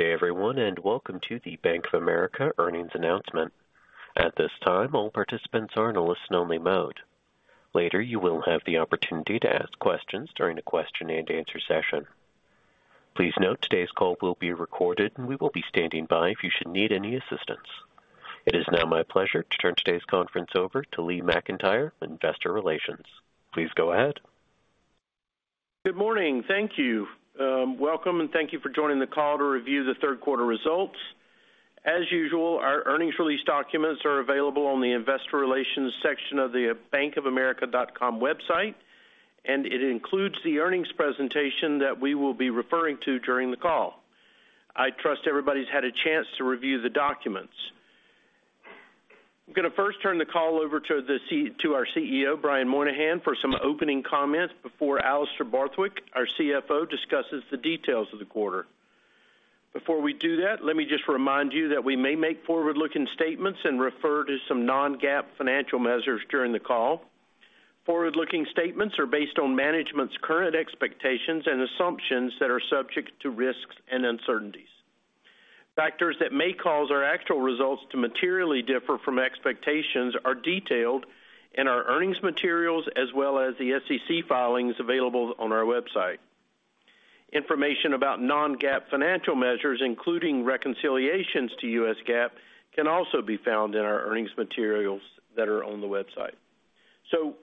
Good day, everyone, and welcome to the Bank of America earnings announcement. At this time, all participants are in a listen-only mode. Later, you will have the opportunity to ask questions during the question-and-answer session. Please note, today's call will be recorded, and we will be standing by if you should need any assistance. It is now my pleasure to turn today's conference over to Lee McEntire, Investor Relations. Please go ahead. Good morning. Thank you. Welcome, and thank you for joining the call to review the Q3 results. As usual, our earnings release documents are available on the Investor Relations section of the BankofAmerica.com website, and it includes the earnings presentation that we will be referring to during the call. I trust everybody's had a chance to review the documents. I'm going to first turn the call over to our CEO, Brian Moynihan, for some opening comments before Alastair Borthwick, our CFO, discusses the details of the quarter. Before we do that, let me just remind you that we may make forward-looking statements and refer to some non-GAAP financial measures during the call. Forward-looking statements are based on management's current expectations and assumptions that are subject to risks and uncertainties. Factors that may cause our actual results to materially differ from expectations are detailed in our earnings materials, as well as the SEC filings available on our website. Information about non-GAAP financial measures, including reconciliations to US GAAP, can also be found in our earnings materials that are on the website.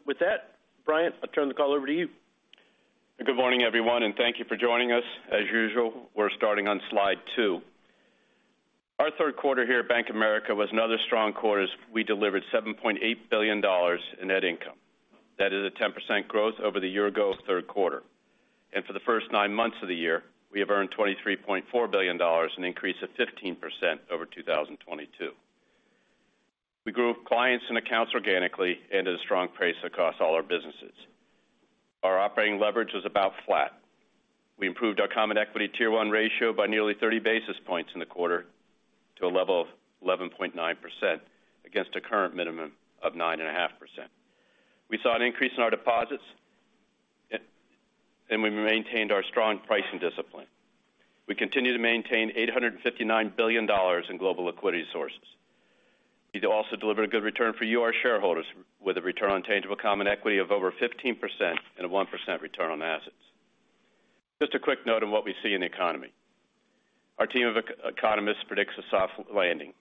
With that, Brian, I'll turn the call over to you. Good morning, everyone, and thank you for joining us. As usual, we're starting on slide two. Our Q3 here at Bank of America was another strong quarter as we delivered $7.8 billion in net income. That is a 10% growth over the year-ago Q3. For the first 9 months of the year, we have earned $23.4 billion, an increase of 15% over 2022. We grew clients and accounts organically and at a strong pace across all our businesses. Our operating leverage was about flat. We improved our Common Equity Tier 1 ratio by nearly 30 basis points in the quarter to a level of 11.9%, against a current minimum of 9.5%. We saw an increase in our deposits, and we maintained our strong pricing discipline. We continue to maintain $859 billion in global liquidity sources. We've also delivered a good return for you, our shareholders, with a return on tangible common equity of over 15% and a 1% return on assets. Just a quick note on what we see in the economy. Our team of economists predicts a soft landing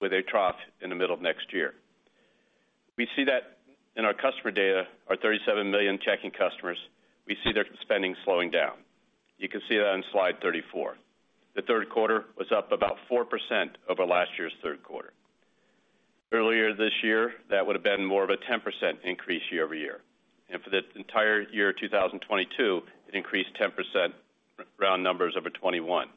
with a trough in the middle of next year. We see that in our customer data, our 37 million checking customers, we see their spending slowing down. You can see that on slide 34. The Q3 was up about 4% over last year's Q3. Earlier this year, that would have been more of a 10% increase year over year, and for the entire year, 2022, it increased 10%, round numbers over 21.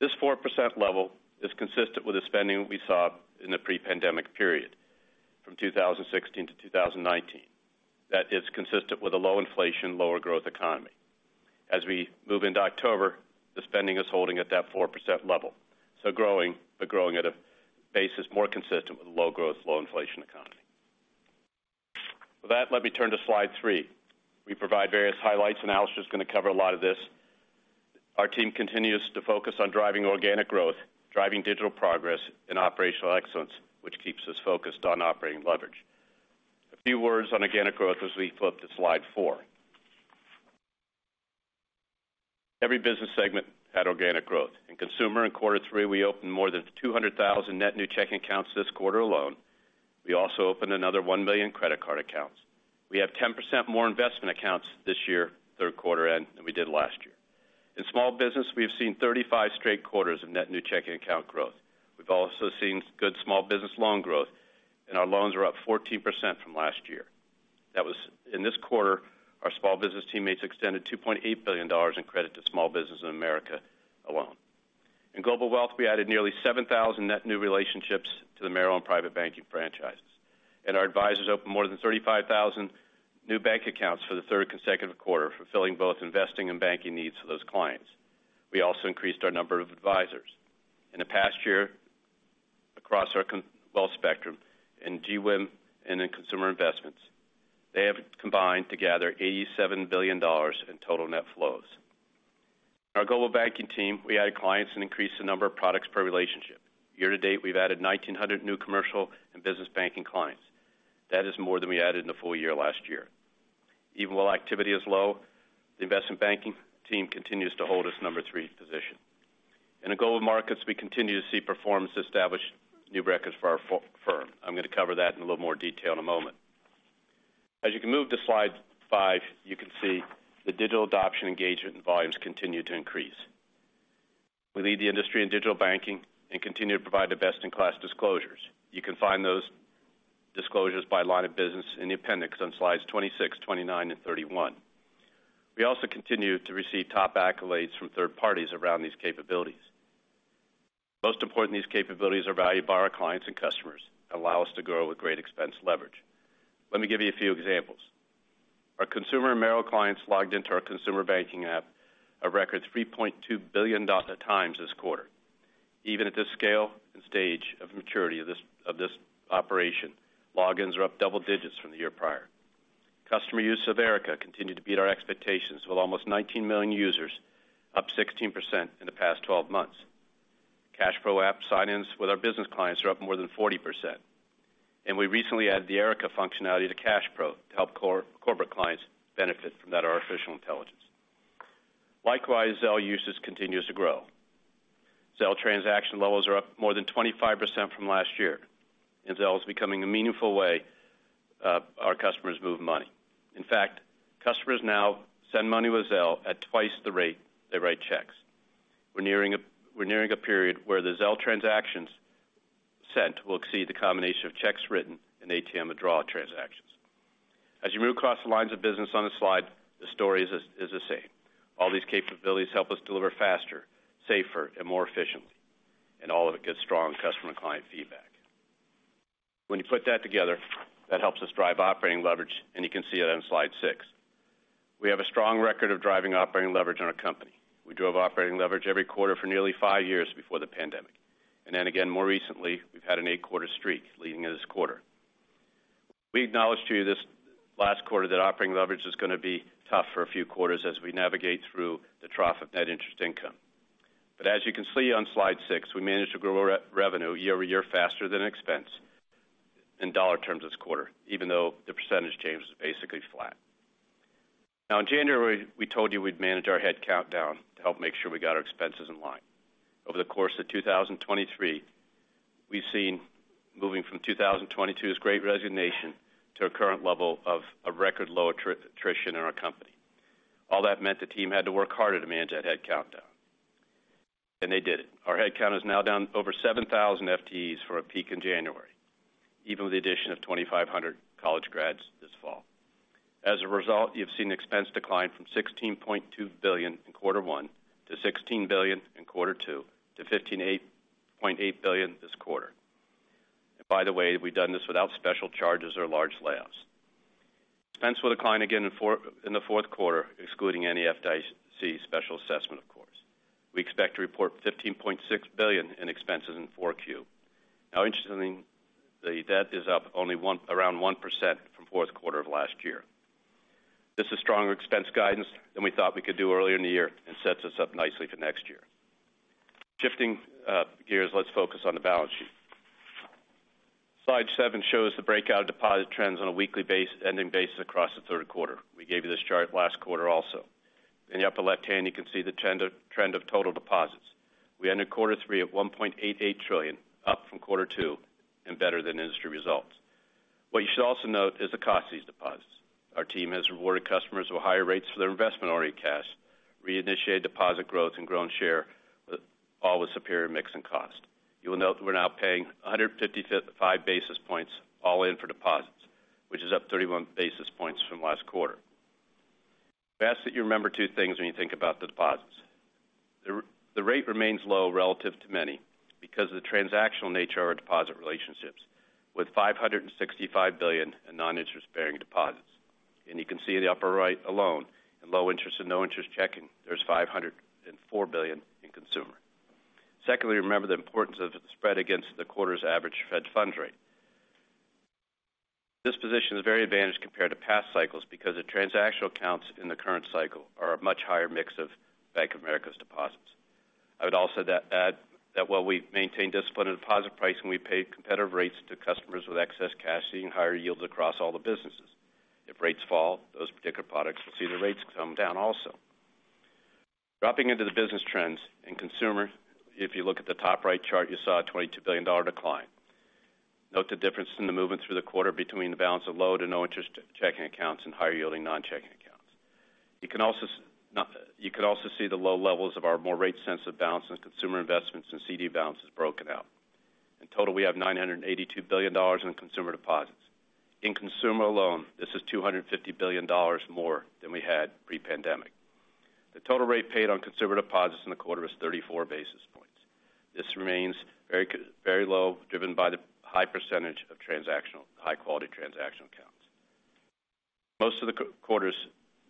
This 4% level is consistent with the spending we saw in the pre-pandemic period, from 2016 to 2019. That is consistent with a low inflation, lower growth economy. As we move into October, the spending is holding at that 4% level, so growing, but growing at a basis more consistent with a low growth, low inflation economy. With that, let me turn to slide three. We provide various highlights, and Alastair is going to cover a lot of this. Our team continues to focus on driving organic growth, driving digital progress and operational excellence, which keeps us focused on operating leverage. A few words on organic growth as we flip to slide four. Every business segment had organic growth. In Consumer, in Q3, we opened more than 200,000 net new checking accounts this quarter alone. We also opened another 1 million credit card accounts. We have 10% more investment accounts this year, Q3 end, than we did last year. In small business, we've seen 35 straight quarters of net new checking account growth. We've also seen good small business loan growth, and our loans are up 14% from last year. That was, in this quarter, our small business teammates extended $2.8 billion in credit to small businesses in America alone. In Global Wealth, we added nearly 7,000 net new relationships to the Merrill Private Bank franchises, and our advisors opened more than 35,000 new bank accounts for the third consecutive quarter, fulfilling both investing and banking needs for those clients. We also increased our number of advisors. In the past year, across our consumer wealth spectrum, in GWIM and in consumer investments, they have combined to gather $87 billion in total net flows. Our Global Banking team, we added clients and increased the number of products per relationship. Year to date, we've added 1,900 new commercial and business banking clients. That is more than we added in the full year last year. Even while activity is low, the investment banking team continues to hold its number 3 position. In the Global Markets, we continue to see performance establish new records for our firm. I'm going to cover that in a little more detail in a moment. As you can move to slide five, you can see the digital adoption, engagement, and volumes continue to increase. We lead the industry in digital banking and continue to provide the best-in-class disclosures. You can find those disclosures by line of business in the appendix on slides 26, 29, and 31. We also continue to receive top accolades from third parties around these capabilities. Most important, these capabilities are valued by our clients and customers and allow us to grow with great expense leverage. Let me give you a few examples. Our consumer and Merrill clients logged into our consumer banking app a record 3.2 billion times this quarter. Even at this scale and stage of maturity of this, of this operation, logins are up double digits from the year prior. Customer use of Erica continued to beat our expectations, with almost 19 million users, up 16% in the past 12 months. Cash Pro app sign-ins with our business clients are up more than 40%, and we recently added the Erica functionality to CashPro to help corporate clients benefit from that artificial intelligence. Likewise, Zelle usage continues to grow. Zelle transaction levels are up more than 25% from last year, and Zelle is becoming a meaningful way our customers move money. In fact, customers now send money with Zelle at twice the rate they write checks. We're nearing a period where the Zelle transactions sent will exceed the combination of checks written and ATM withdrawal transactions. As you move across the lines of business on this slide, the story is the same. All these capabilities help us deliver faster, safer, and more efficiently, and all of it gets strong customer client feedback. When you put that together, that helps us drive operating leverage, and you can see it on slide six. We have a strong record of driving operating leverage in our company. We drove operating leverage every quarter for nearly 5 years before the pandemic, and then again, more recently, we've had an 8-quarter streak leading into this quarter. We acknowledged to you this last quarter that operating leverage is gonna be tough for a few quarters as we navigate through the trough of net interest income. But as you can see on slide six, we managed to grow revenue year-over-year faster than expense in dollar terms this quarter, even though the percentage change was basically flat. Now in January, we told you we'd manage our head count down to help make sure we got our expenses in line. Over the course of 2023, we've seen, moving from 2022's great resignation to a current level of a record low attrition in our company. All that meant the team had to work harder to manage that head count down, and they did it. Our head count is now down over 7,000 FTEs from a peak in January, even with the addition of 2,500 college grads this fall. As a result, you've seen expense decline from $16.2 billion in Q1 to $16 billion in Q2, to $15.8 billion this quarter. By the way, we've done this without special charges or large layoffs. Expense will decline again in the Q4, excluding any FDIC special assessment, of course. We expect to report $15.6 billion in expenses in Q4. Now, interestingly, the debt is up only 1%-around 1% from Q4 of last year. This is stronger expense guidance than we thought we could do earlier in the year and sets us up nicely for next year. Shifting gears, let's focus on the balance sheet. Slide 7 shows the breakout of deposit trends on a weekly basis-ending basis across the Q3. We gave you this chart last quarter also. In the upper left-hand, you can see the trend of total deposits. We ended Q3 at $1.88 trillion, up from Q2 and better than industry results. What you should also note is the cost of these deposits. Our team has rewarded customers with higher rates for their investment-oriented cash, reinitiated deposit growth and grown share, all with superior mix and cost. You will note that we're now paying 155 basis points all in for deposits, which is up 31 basis points from last quarter. We ask that you remember two things when you think about the deposits. The rate remains low relative to many because of the transactional nature of our deposit relationships, with $565 billion in non-interest-bearing deposits. And you can see in the upper right alone, in low interest and no interest checking, there's $504 billion in consumer. Secondly, remember the importance of the spread against the quarter's average Fed funds rate. This position is very advantaged compared to past cycles because the transactional accounts in the current cycle are a much higher mix of Bank of America's deposits. I would also add, add that while we've maintained discipline in deposit pricing, we paid competitive rates to customers with excess cash, seeing higher yields across all the businesses. If rates fall, those particular products will see their rates come down also. Dropping into the business trends, in consumer, if you look at the top right chart, you saw a $22 billion decline. Note the difference in the movement through the quarter between the balance of low to no interest checking accounts and higher-yielding non-checking accounts. You can also see the low levels of our more rate-sensitive balances, consumer investments, and CD balances broken out. In total, we have $982 billion in consumer deposits. In consumer alone, this is $250 billion more than we had pre-pandemic. The total rate paid on consumer deposits in the quarter is 34 basis points. This remains very low, driven by the high percentage of high-quality transactional accounts. Most of the quarter's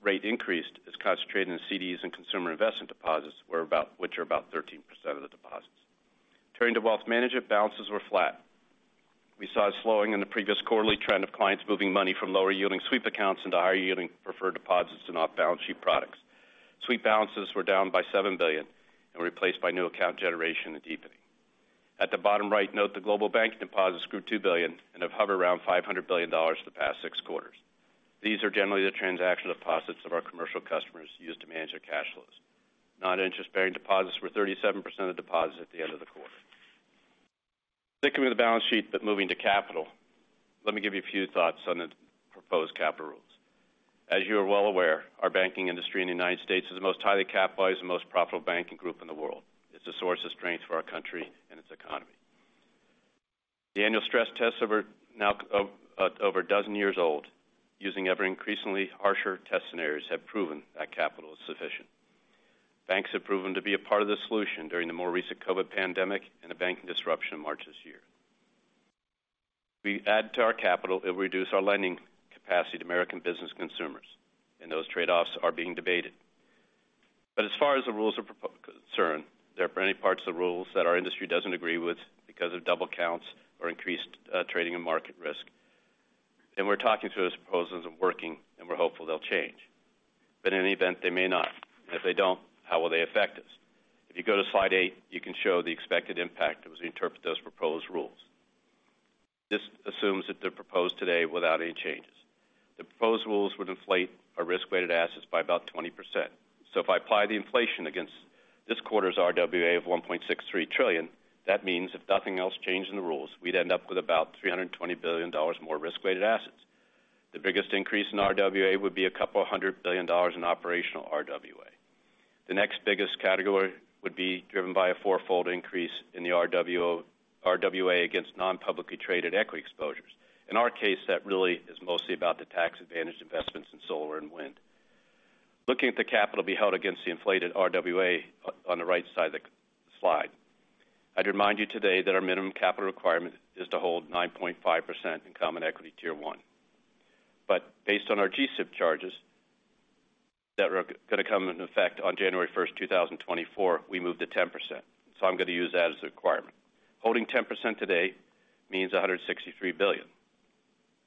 rate increase is concentrated in CDs and consumer investment deposits, which are about 13% of the deposits. Turning to Wealth Management, balances were flat. We saw a slowing in the previous quarterly trend of clients moving money from lower-yielding sweep accounts into higher-yielding preferred deposits and off-balance sheet products. Sweep balances were down by $7 billion and were replaced by new account generation and deepening. At the bottom right, note the Global Banking deposits grew $2 billion and have hovered around $500 billion the past 6 quarters. These are generally the transaction deposits of our commercial customers use to manage their cash flows. Non-interest-bearing deposits were 37% of deposits at the end of the quarter. Sticking with the balance sheet, but moving to capital, let me give you a few thoughts on the proposed capital rules. As you are well aware, our banking industry in the United States is the most highly capitalized and most profitable banking group in the world. It's a source of strength for our country and its economy. The annual stress test over now, over a dozen years old, using ever increasingly harsher test scenarios, have proven that capital is sufficient. Banks have proven to be a part of the solution during the more recent COVID pandemic and the banking disruption in March this year. If we add to our capital, it will reduce our lending capacity to American business consumers, and those trade-offs are being debated. But as far as the proposed rules are concerned, there are many parts of the rules that our industry doesn't agree with because of double counts or increased trading and market risk. And we're talking to those proposals and working, and we're hopeful they'll change. But in any event, they may not. And if they don't, how will they affect us? If you go to slide eight, you can show the expected impact as we interpret those proposed rules. This assumes that they're proposed today without any changes. The proposed rules would inflate our risk-weighted assets by about 20%. So if I apply the inflation against this quarter's RWA of $1.63 trillion, that means if nothing else changed in the rules, we'd end up with about $320 billion more risk-weighted assets. The biggest increase in RWA would be a couple of hundred billion dollars in operational RWA. The next biggest category would be driven by a fourfold increase in the RWA against non-publicly traded equity exposures. In our case, that really is mostly about the tax-advantaged investments in solar and wind. Looking at the capital to be held against the inflated RWA on the right side of the slide, I'd remind you today that our minimum capital requirement is to hold 9.5% in Common Equity Tier 1. But based on our GSIB charges that are going to come into effect on January 1, 2024, we move to 10%, so I'm going to use that as the requirement. Holding 10% today means $163 billion.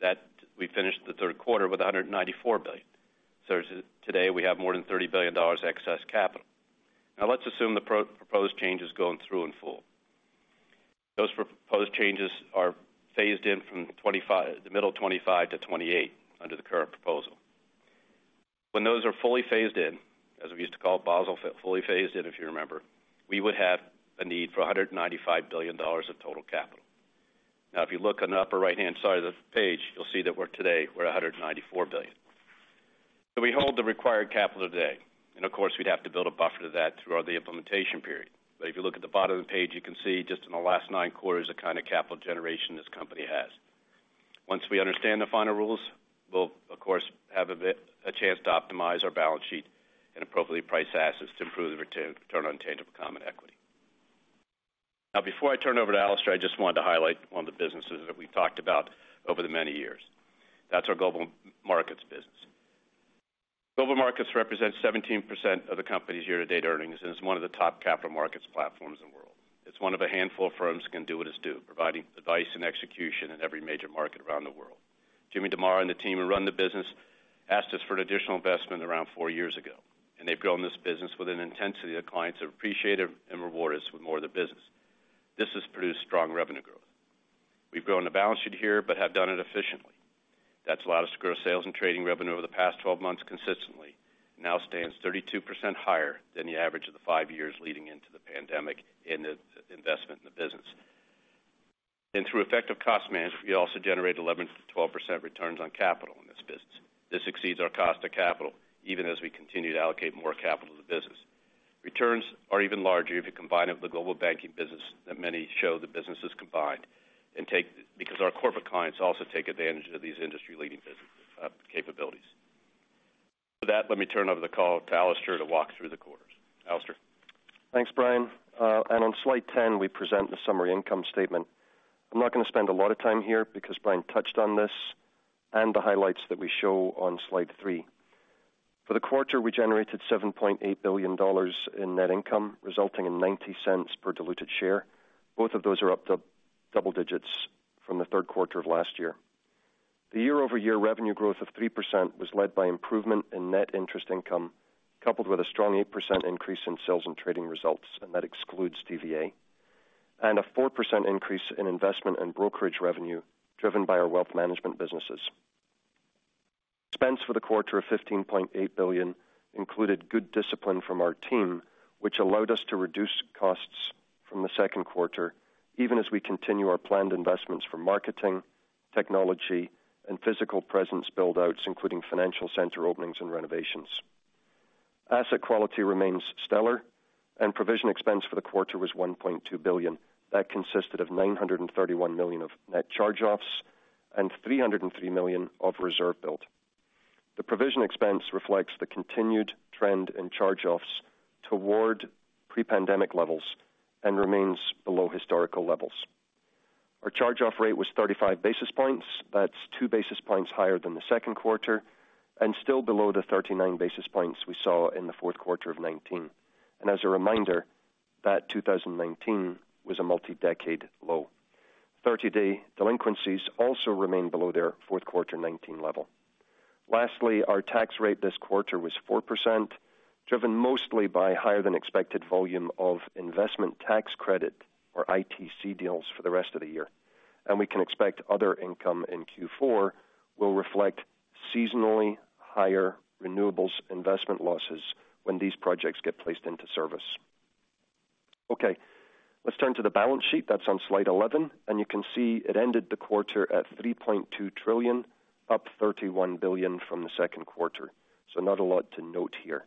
That we finished the Q3 with $194 billion. So today, we have more than $30 billion excess capital. Now, let's assume the proposed changes go through in full. Those proposed changes are phased in from the middle of 2025 to 2028 under the current proposal. When those are fully phased in, as we used to call Basel, fully phased in, if you remember, we would have a need for $195 billion of total capital. Now, if you look on the upper right-hand side of the page, you'll see that we're today, we're $194 billion. So we hold the required capital today, and of course, we'd have to build a buffer to that throughout the implementation period. But if you look at the bottom of the page, you can see just in the last 9 quarters, the kind of capital generation this company has. Once we understand the final rules, we'll, of course, have a chance to optimize our balance sheet and appropriately price assets to improve the return on tangible common equity. Now, before I turn it over to Alastair, I just wanted to highlight one of the businesses that we've talked about over the many years. That's our Global Markets business. Global Markets represents 17% of the company's year-to-date earnings and is one of the top capital markets platforms in the world. It's one of a handful of firms that can do what it's do, providing advice and execution in every major market around the world. Jim DeMare and the team who run the business asked us for an additional investment around four years ago, and they've grown this business with an intensity that clients have appreciated and rewarded us with more of the business. This has produced strong revenue growth. We've grown the balance sheet here, but have done it efficiently. That's allowed us to grow sales and trading revenue over the past 12 months consistently, now stands 32% higher than the average of the 5 years leading into the pandemic in the investment in the business. And through effective cost management, we also generate 11%-12% returns on capital in this business. This exceeds our cost of capital, even as we continue to allocate more capital to the business. Returns are even larger if you combine it with the Global Banking business that many show the businesses combined, and take- because our corporate clients also take advantage of these industry-leading business, capabilities. For that, let me turn over the call to Alastair to walk through the quarters. Alastair? Thanks, Brian. And on slide 10, we present the summary income statement. I'm not going to spend a lot of time here because Brian touched on this and the highlights that we show on slide three. For the quarter, we generated $7.8 billion in net income, resulting in $0.90 per diluted share. Both of those are up double digits from the Q3 of last year. The year-over-year revenue growth of 3% was led by improvement in net interest income, coupled with a strong 8% increase in sales and trading results, and that excludes DVA, and a 4% increase in investment and brokerage revenue, driven by our wealth management businesses. Expense for the quarter of $15.8 billion included good discipline from our team, which allowed us to reduce costs from the Q2, even as we continue our planned investments for marketing, technology, and physical presence build-outs, including financial center openings and renovations. Asset quality remains stellar, and provision expense for the quarter was $1.2 billion. That consisted of $931 million of net charge-offs and $303 million of reserve build. The provision expense reflects the continued trend in charge-offs toward pre-pandemic levels and remains below historical levels. Our charge-off rate was 35 basis points. That's 2 basis points higher than the Q2, and still below the 39 basis points we saw in the Q4 of 2019. And as a reminder, that 2019 was a multi-decade low. 30-day delinquencies also remained below their Q4 2019 level. Lastly, our tax rate this quarter was 4%, driven mostly by higher than expected volume of investment tax credit, or ITC deals, for the rest of the year. We can expect other income in Q4 will reflect seasonally higher renewables investment losses when these projects get placed into service. Okay, let's turn to the balance sheet. That's on slide 11, and you can see it ended the quarter at $3.2 trillion, up $31 billion from the Q2. Not a lot to note here.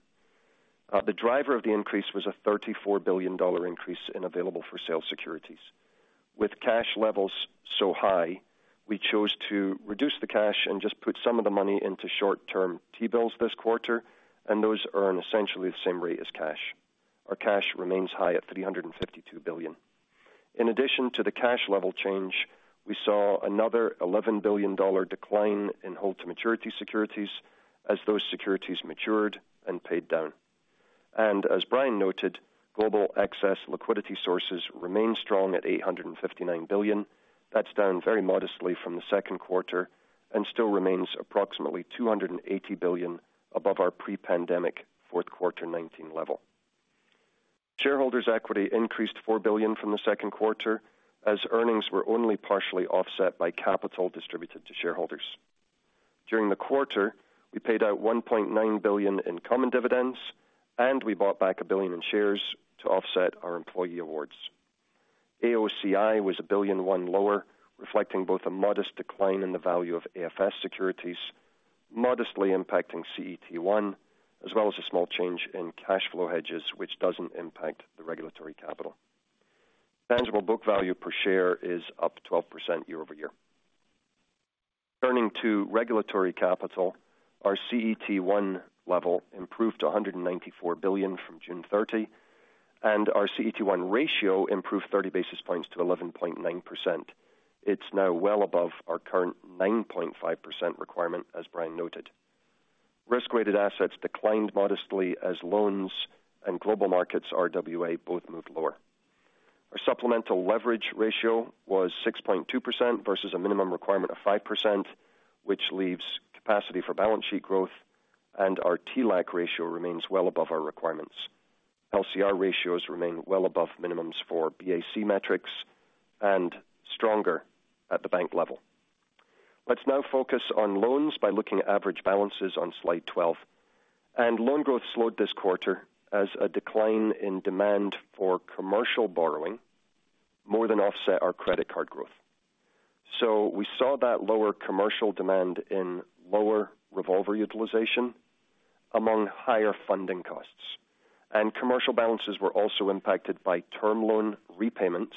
The driver of the increase was a $34 billion increase in available-for-sale securities. With cash levels so high, we chose to reduce the cash and just put some of the money into short-term T-bills this quarter, and those earn essentially the same rate as cash. Our cash remains high at $352 billion. In addition to the cash level change, we saw another $11 billion decline in hold-to-maturity securities as those securities matured and paid down. As Brian noted, global excess liquidity sources remain strong at $859 billion. That's down very modestly from the Q2 and still remains approximately $280 billion above our pre-pandemic Q4 2019 level. Shareholders' equity increased $4 billion from the Q2, as earnings were only partially offset by capital distributed to shareholders. During the quarter, we paid out $1.9 billion in common dividends, and we bought back $1 billion in shares to offset our employee awards. AOCI was $1 billion lower, reflecting both a modest decline in the value of AFS securities, modestly impacting CET1, as well as a small change in cash flow hedges, which doesn't impact the regulatory capital. Tangible book value per share is up 12% year-over-year. Turning to regulatory capital, our CET1 level improved to $194 billion from June 30, and our CET1 ratio improved 30 basis points to 11.9%. It's now well above our current 9.5% requirement, as Brian noted. Risk-weighted assets declined modestly as loans and Global Markets RWA both moved lower. Our supplemental leverage ratio was 6.2% versus a minimum requirement of 5%, which leaves capacity for balance sheet growth, and our TLAC ratio remains well above our requirements. LCR ratios remain well above minimums for BAC metrics and stronger at the bank level. Let's now focus on loans by looking at average balances on slide 12. Loan growth slowed this quarter as a decline in demand for commercial borrowing more than offset our credit card growth. So we saw that lower commercial demand in lower revolver utilization among higher funding costs. Commercial balances were also impacted by term loan repayments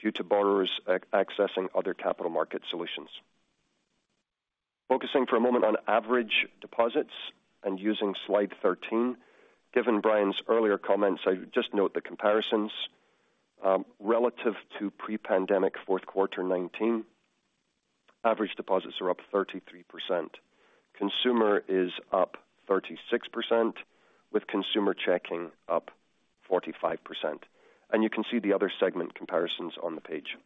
due to borrowers accessing other capital market solutions. Focusing for a moment on average deposits and using slide 13. Given Brian's earlier comments, I just note the comparisons. Relative to pre-pandemic Q4 2019, average deposits are up 33%. Consumer is up 36%, with consumer checking up 45%. You can see the other segment comparisons on the page.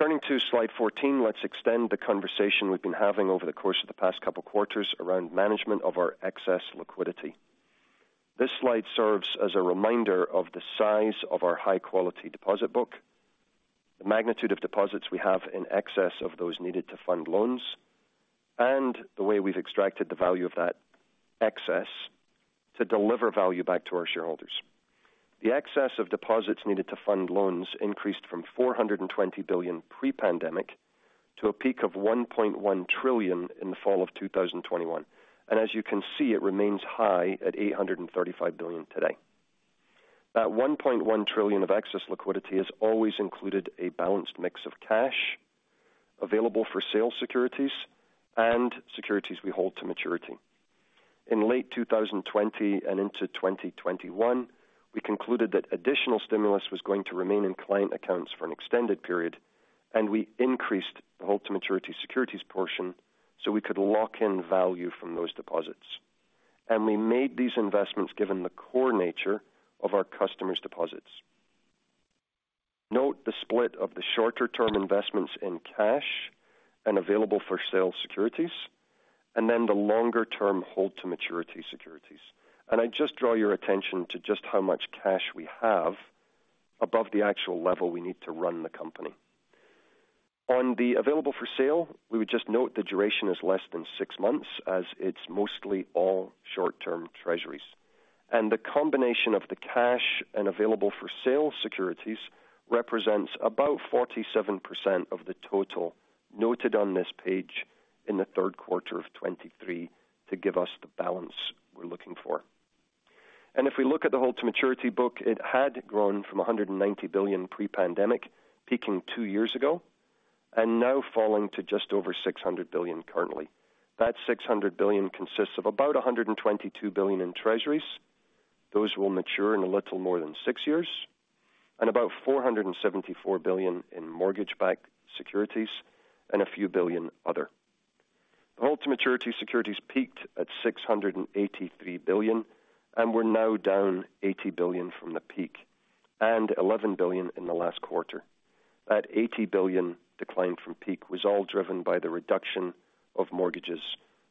Turning to slide 14, let's extend the conversation we've been having over the course of the past couple quarters around management of our excess liquidity. This slide serves as a reminder of the size of our high-quality deposit book, the magnitude of deposits we have in excess of those needed to fund loans, and the way we've extracted the value of that excess to deliver value back to our shareholders. The excess of deposits needed to fund loans increased from $420 billion pre-pandemic to a peak of $1.1 trillion in the fall of 2021. As you can see, it remains high at $835 billion today. That $1.1 trillion of excess liquidity has always included a balanced mix of cash, available-for-sale securities and securities we hold to maturity. In late 2020 and into 2021, we concluded that additional stimulus was going to remain in client accounts for an extended period, and we increased the hold-to-maturity securities portion so we could lock in value from those deposits. We made these investments given the core nature of our customers' deposits. Note the split of the shorter-term investments in cash and available-for-sale securities, and then the longer-term hold-to-maturity securities. I just draw your attention to just how much cash we have above the actual level we need to run the company. On the available-for-sale, we would just note the duration is less than six months, as it's mostly all short-term treasuries. The combination of the cash and available-for-sale securities represents about 47% of the total noted on this page in the Q3 of 2023 to give us the balance we're looking for. If we look at the hold-to-maturity book, it had grown from $190 billion pre-pandemic, peaking 2 years ago and now falling to just over $600 billion currently. That $600 billion consists of about $122 billion in treasuries. Those will mature in a little more than 6 years, and about $474 billion in mortgage-backed securities and a few billion other. The hold-to-maturity securities peaked at $683 billion and were now down $80 billion from the peak and $11 billion in the last quarter. That $80 billion decline from peak was all driven by the reduction of mortgages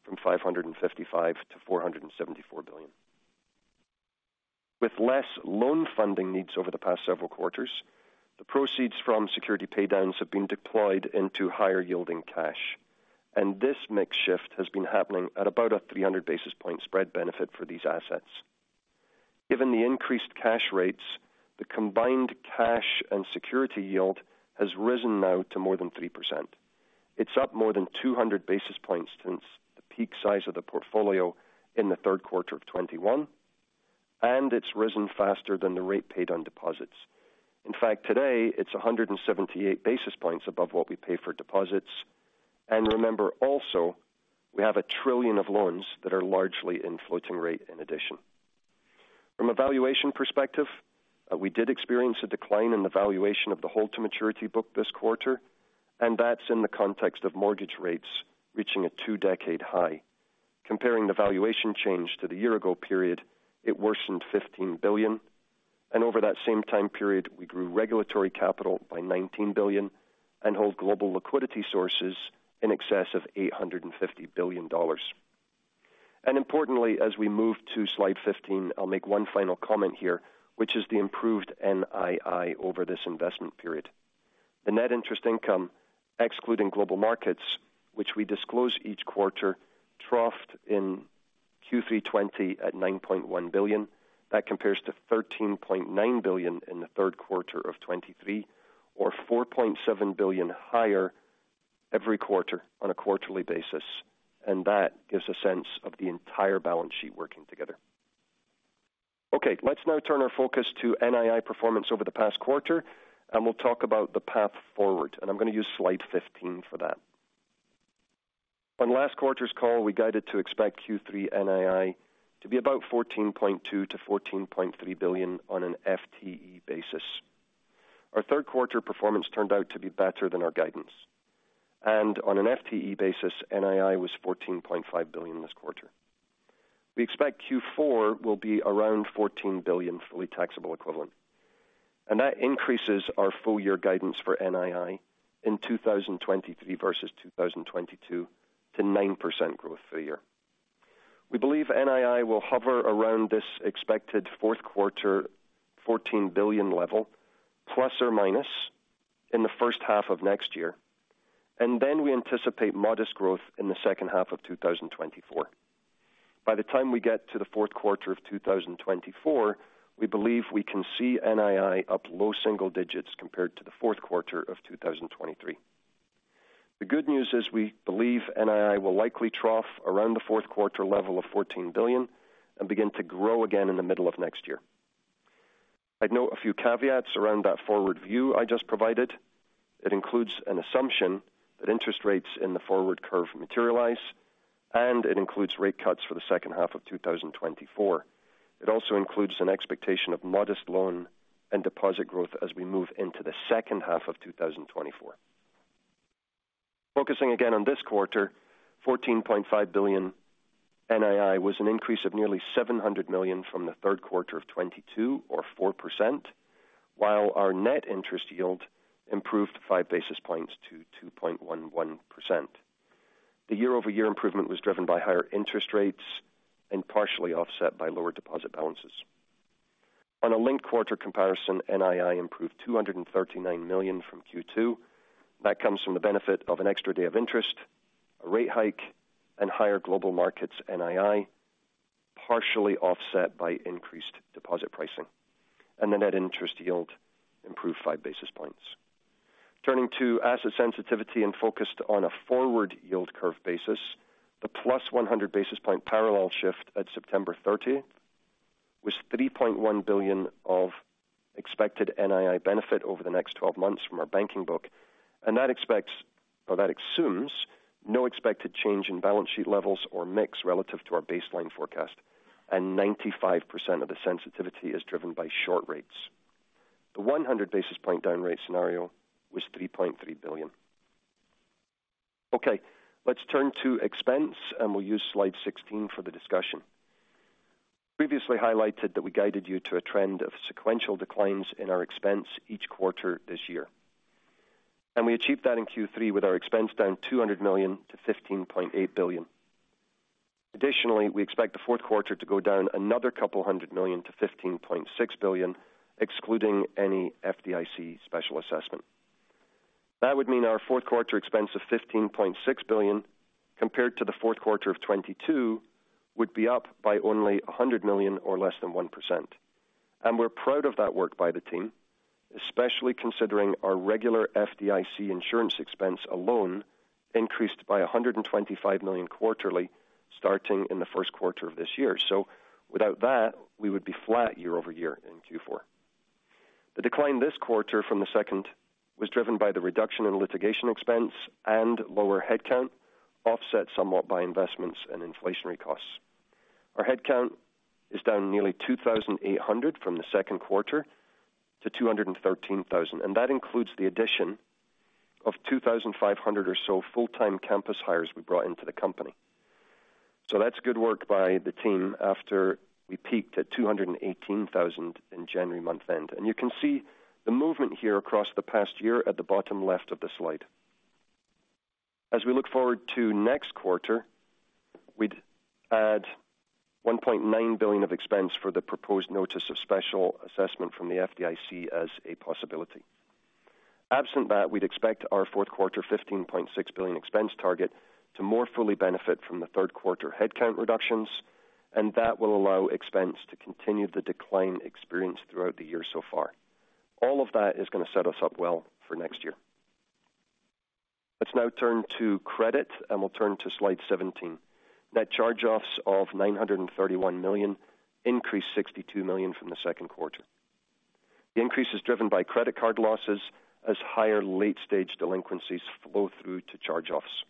from $555 billion-$474 billion. With less loan funding needs over the past several quarters, the proceeds from security paydowns have been deployed into higher-yielding cash, and this mix shift has been happening at about a 300 basis point spread benefit for these assets. Given the increased cash rates, the combined cash and security yield has risen now to more than 3%. It's up more than 200 basis points since the peak size of the portfolio in the Q3 of 2021, and it's risen faster than the rate paid on deposits. In fact, today it's 178 basis points above what we pay for deposits. And remember also, we have $1 trillion of loans that are largely in floating rate in addition. From a valuation perspective, we did experience a decline in the valuation of the hold-to-maturity book this quarter, and that's in the context of mortgage rates reaching a two-decade high. Comparing the valuation change to the year-ago period, it worsened $15 billion, and over that same time period, we grew regulatory capital by $19 billion and hold global liquidity sources in excess of $850 billion. Importantly, as we move to slide 15, I'll make one final comment here, which is the improved NII over this investment period. The net interest income, excluding Global Markets, which we disclose each quarter, troughed in Q3 2020 at $9.1 billion. That compares to $13.9 billion in the Q3 of 2023, or $4.7 billion higher every quarter on a quarterly basis. And that gives a sense of the entire balance sheet working together. Okay, let's now turn our focus to NII performance over the past quarter, and we'll talk about the path forward, and I'm gonna use slide 15 for that. On last quarter's call, we guided to expect Q3 NII to be about $14.2 billion-$14.3 billion on an FTE basis. Our Q3 performance turned out to be better than our guidance, and on an FTE basis, NII was $14.5 billion this quarter. We expect Q4 will be around $14 billion fully taxable equivalent, and that increases our full-year guidance for NII in 2023 versus 2022 to 9% growth for the year. We believe NII will hover around this expected Q4, $14 billion level, plus or minus in the first half of next year, and then we anticipate modest growth in the second half of 2024. By the time we get to the Q4 of 2024, we believe we can see NII up low single digits compared to the Q4 of 2023. The good news is we believe NII will likely trough around the Q4 level of $14 billion and begin to grow again in the middle of next year. I'd note a few caveats around that forward view I just provided. It includes an assumption that interest rates in the forward curve materialize, and it includes rate cuts for the second half of 2024. It also includes an expectation of modest loan and deposit growth as we move into the second half of 2024. Focusing again on this quarter, $14.5 billion NII was an increase of nearly $700 million from the Q3 of 2022 or 4%, while our net interest yield improved five basis points to 2.11%. The year-over-year improvement was driven by higher interest rates and partially offset by lower deposit balances. On a linked quarter comparison, NII improved $239 million from Q2. That comes from the benefit of an extra day of interest, a rate hike and higher Global Markets NII, partially offset by increased deposit pricing, and the net interest yield improved five basis points. Turning to asset sensitivity and focused on a forward yield curve basis, the +100 basis point parallel shift at September 30th was $3.1 billion of expected NII benefit over the next 12 months from our banking book, and that expects or that assumes no expected change in balance sheet levels or mix relative to our baseline forecast, and 95% of the sensitivity is driven by short rates. The 100 basis point down rate scenario was $3.3 billion. Okay, let's turn to expense, and we'll use slide 16 for the discussion. Previously highlighted that we guided you to a trend of sequential declines in our expense each quarter this year, and we achieved that in Q3 with our expense down $200 million to $15.8 billion. Additionally, we expect the Q4 to go down another $200 million to $15.6 billion, excluding any FDIC special assessment. That would mean our Q4 expense of $15.6 billion, compared to the Q4 of 2022, would be up by only $100 million or less than 1%. And we're proud of that work by the team, especially considering our regular FDIC insurance expense alone increased by $125 million quarterly starting in the Q1 of this year. So without that, we would be flat year-over-year in Q4. The decline this quarter from the second was driven by the reduction in litigation expense and lower headcount, offset somewhat by investments and inflationary costs. Our headcount is down nearly 2,800 from the Q2 to 213,000, and that includes the addition of 2,500 or so full-time campus hires we brought into the company. So that's good work by the team after we peaked at 218,000 in January month-end. You can see the movement here across the past year at the bottom left of the slide. As we look forward to next quarter, we'd add $1.9 billion of expense for the proposed notice of special assessment from the FDIC as a possibility. Absent that, we'd expect our Q4 $15.6 billion expense target to more fully benefit from the Q3 headcount reductions, and that will allow expense to continue the decline experienced throughout the year so far. All of that is gonna set us up well for next year.... Let's now turn to credit, and we'll turn to slide 17. Net charge-offs of $931 million increased $62 million from the Q2. The increase is driven by credit card losses as higher late-stage delinquencies flow through to charge-offs.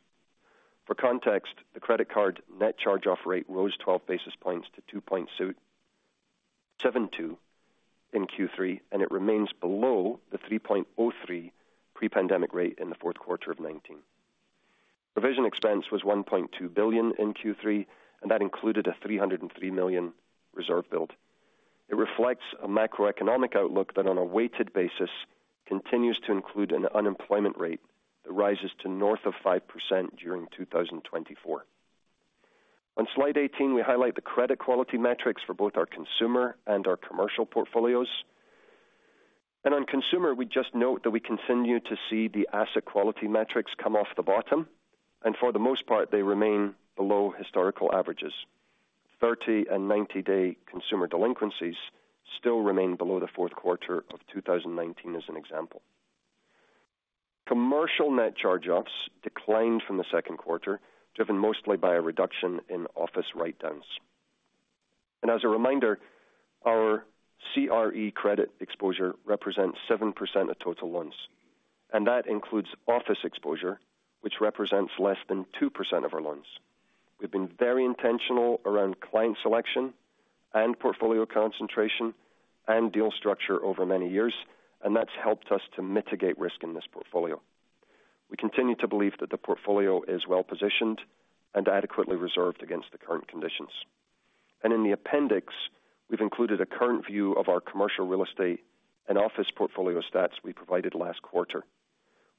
For context, the credit card net charge-off rate rose 12 basis points to 2.72 in Q3, and it remains below the 3.03 pre-pandemic rate in the Q4 of 2019. Provision expense was $1.2 billion in Q3, and that included a $303 million reserve build. It reflects a macroeconomic outlook that, on a weighted basis, continues to include an unemployment rate that rises to north of 5% during 2024. On slide 18, we highlight the credit quality metrics for both our consumer and our commercial portfolios. On consumer, we just note that we continue to see the asset quality metrics come off the bottom, and for the most part, they remain below historical averages. 30- and 90-day consumer delinquencies still remain below the Q4 of 2019, as an example. Commercial net charge-offs declined from the Q2, driven mostly by a reduction in office write-downs. As a reminder, our CRE credit exposure represents 7% of total loans, and that includes office exposure, which represents less than 2% of our loans. We've been very intentional around client selection and portfolio concentration and deal structure over many years, and that's helped us to mitigate risk in this portfolio. We continue to believe that the portfolio is well-positioned and adequately reserved against the current conditions. In the appendix, we've included a current view of our Commercial Real Estate and office portfolio stats we provided last quarter.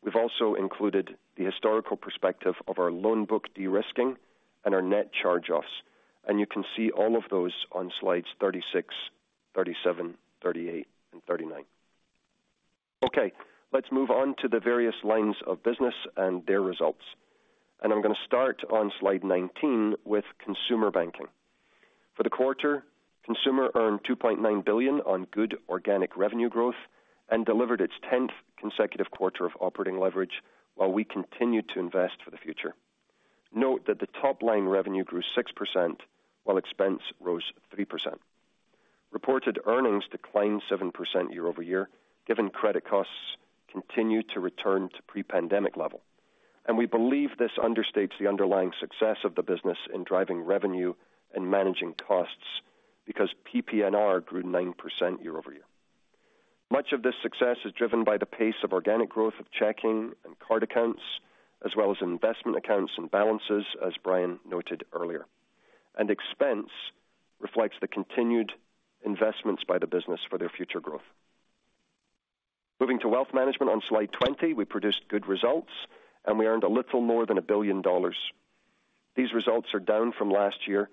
We've also included the historical perspective of our loan book de-risking and our net charge-offs, and you can see all of those on slides 36, 37, 38, and 39. Okay, let's move on to the various lines of business and their results. I'm going to start on slide 19 with Consumer Banking. For the quarter, Consumer earned $2.9 billion on good organic revenue growth and delivered its 10th consecutive quarter of operating leverage while we continued to invest for the future. Note that the top-line revenue grew 6%, while expense rose 3%. Reported earnings declined 7% year-over-year, given credit costs continue to return to pre-pandemic level. We believe this understates the underlying success of the business in driving revenue and managing costs, because PPNR grew 9% year-over-year. Much of this success is driven by the pace of organic growth of checking and card accounts, as well as investment accounts and balances, as Brian noted earlier. Expense reflects the continued investments by the business for their future growth. Moving to wealth management on slide 20, we produced good results, and we earned a little more than $1 billion. These results are down from last year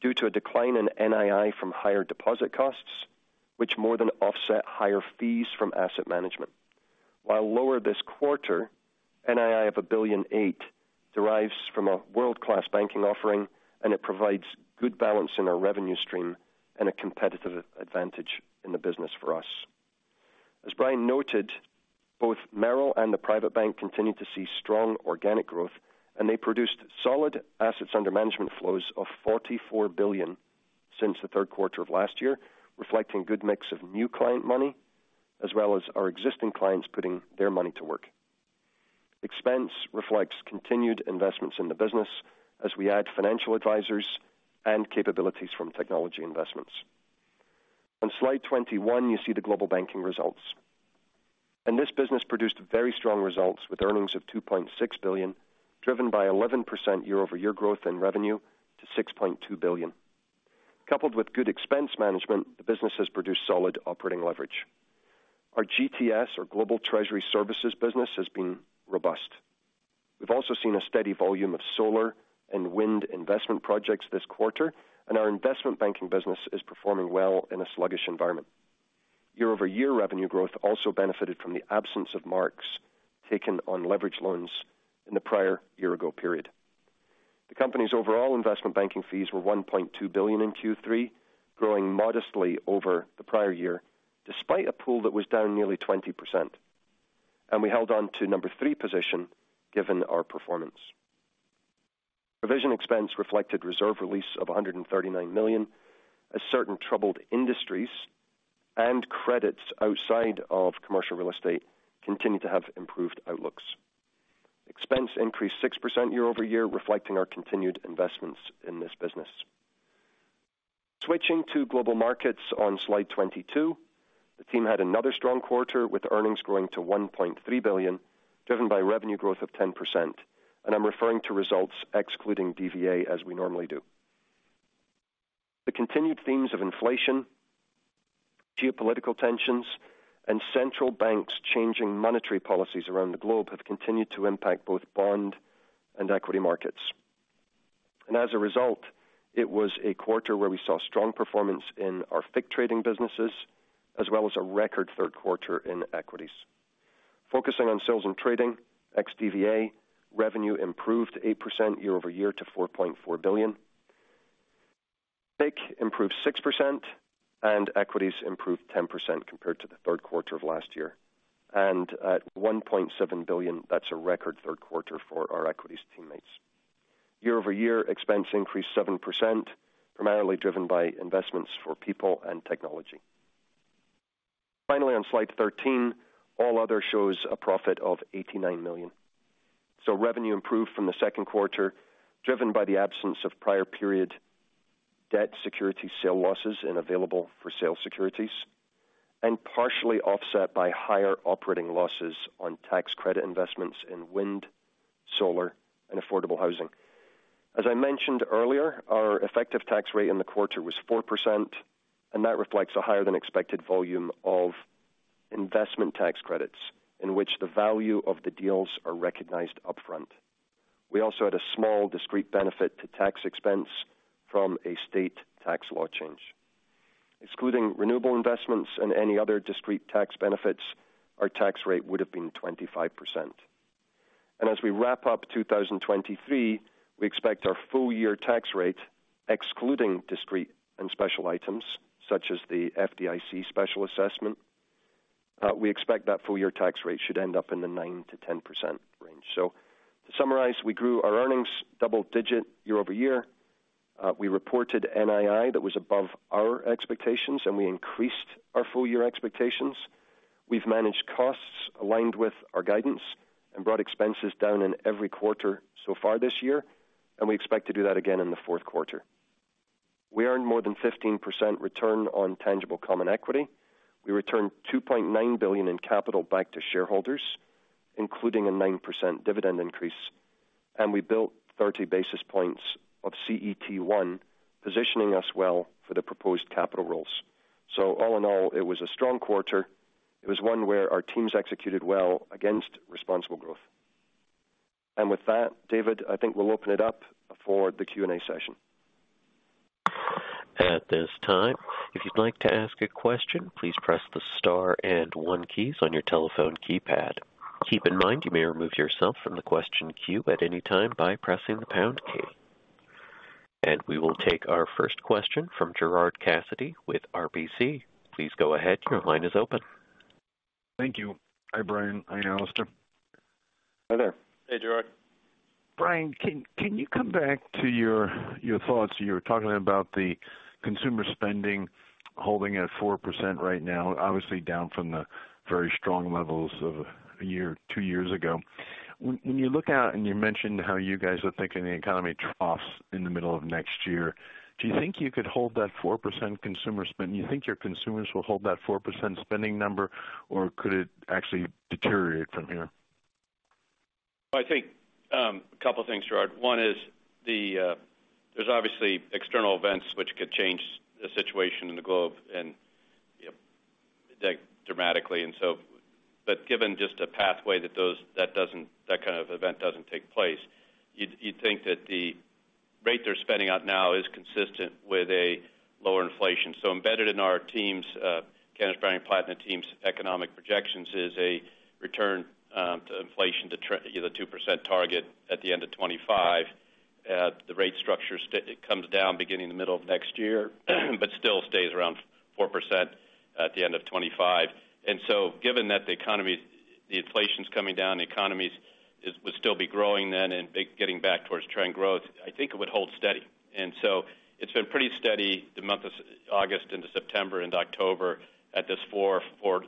due to a decline in NII from higher deposit costs, which more than offset higher fees from asset management. While lower this quarter, NII of $1.8 billion derives from a world-class banking offering, and it provides good balance in our revenue stream and a competitive advantage in the business for us. As Brian noted, both Merrill and the Private Bank continued to see strong organic growth, and they produced solid assets under management flows of $44 billion since the Q3 of last year, reflecting good mix of new client money, as well as our existing clients putting their money to work. Expense reflects continued investments in the business as we add financial advisors and capabilities from technology investments. On slide 21, you see the Global Banking results. This business produced very strong results, with earnings of $2.6 billion, driven by 11% year-over-year growth in revenue to $6.2 billion. Coupled with good expense management, the business has produced solid operating leverage. Our GTS, or Global Treasury Services business, has been robust. We've also seen a steady volume of solar and wind investment projects this quarter, and our investment banking business is performing well in a sluggish environment. Year-over-year revenue growth also benefited from the absence of marks taken on leveraged loans in the prior year-ago period. The company's overall investment banking fees were $1.2 billion in Q3, growing modestly over the prior year, despite a pool that was down nearly 20%. We held on to number 3 position given our performance. Provision expense reflected reserve release of $139 million, as certain troubled industries and credits outside of commercial real estate continue to have improved outlooks. Expense increased 6% year-over-year, reflecting our continued investments in this business. Switching to Global Markets on slide 22, the team had another strong quarter, with earnings growing to $1.3 billion, driven by revenue growth of 10%, and I'm referring to results excluding DVA, as we normally do. The continued themes of inflation, geopolitical tensions, and central banks changing monetary policies around the globe have continued to impact both bond and equity markets. And as a result, it was a quarter where we saw strong performance in our FICC trading businesses, as well as a record Q3 in equities. Focusing on sales and trading, ex-DVA, revenue improved 8% year-over-year to $4.4 billion. FICC improved 6% and equities improved 10% compared to the Q3 of last year. And at $1.7 billion, that's a record Q3 for our equities teammates. Year-over-year expense increased 7%, primarily driven by investments for people and technology. Finally, on slide 13, all other shows a profit of $89 million. So revenue improved from the Q2, driven by the absence of prior period debt security sale losses, and available-for-sale securities, and partially offset by higher operating losses on tax credit investments in wind, solar, and affordable housing. As I mentioned earlier, our effective tax rate in the quarter was 4%, and that reflects a higher than expected volume of investment tax credits, in which the value of the deals are recognized upfront. We also had a small discrete benefit to tax expense from a state tax law change. Excluding renewable investments and any other discrete tax benefits, our tax rate would have been 25%. As we wrap up 2023, we expect our full year tax rate, excluding discrete and special items such as the FDIC special assessment, we expect that full year tax rate should end up in the 9%-10% range. To summarize, we grew our earnings double-digit year-over-year. We reported NII that was above our expectations, and we increased our full year expectations. We've managed costs aligned with our guidance and brought expenses down in every quarter so far this year, and we expect to do that again in the Q4. We earned more than 15% return on tangible common equity. We returned $2.9 billion in capital back to shareholders, including a 9% dividend increase, and we built 30 basis points of CET1, positioning us well for the proposed capital rules. All in all, it was a strong quarter. It was one where our teams executed well against responsible growth. With that, David, I think we'll open it up for the Q&A session. At this time, if you'd like to ask a question, please press the star and one keys on your telephone keypad. Keep in mind, you may remove yourself from the question queue at any time by pressing the pound key. We will take our first question from Gerard Cassidy with RBC. Please go ahead. Your line is open. Thank you. Hi, Brian. Hi, Alastair. Hi there. Hey, Gerard. Brian, can you come back to your thoughts? You were talking about the consumer spending holding at 4% right now, obviously down from the very strong levels of a year, two years ago. When you look out and you mentioned how you guys are thinking the economy troughs in the middle of next year, do you think you could hold that 4% consumer spend? Do you think your consumers will hold that 4% spending number, or could it actually deteriorate from here? I think a couple of things, Gerard. One is, there's obviously external events which could change the situation in the globe and, you know, dramatically and so. But given just a pathway that that kind of event doesn't take place, you'd think that the rate they're spending out now is consistent with a lower inflation. So embedded in our team's, Candace Browning and planning team's economic projections is a return to inflation, to the 2% target at the end of 2025. The rate structure it comes down beginning in the middle of next year, but still stays around 4% at the end of 2025. And so given that the economy, the inflation's coming down, the economy will still be growing then and getting back towards trend growth, I think it would hold steady. And so it's been pretty steady the month of August into September into October at this 4, 4.5,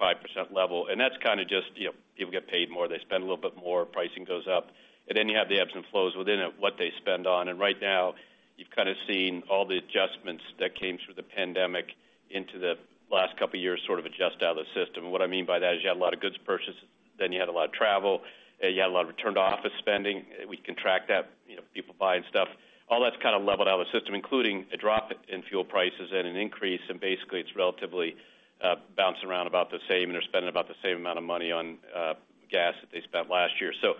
5% level. And that's kind of just, you know, people get paid more, they spend a little bit more, pricing goes up, and then you have the ebbs and flows within it, what they spend on. And right now, you've kind of seen all the adjustments that came through the pandemic into the last couple of years, sort of adjust out of the system. What I mean by that is you had a lot of goods purchased, then you had a lot of travel, and you had a lot of return to office spending. We can track that, you know, people buying stuff. All that's kind of leveled out the system, including a drop in fuel prices and an increase, and basically it's relatively, bouncing around about the same, and they're spending about the same amount of money on, gas that they spent last year. So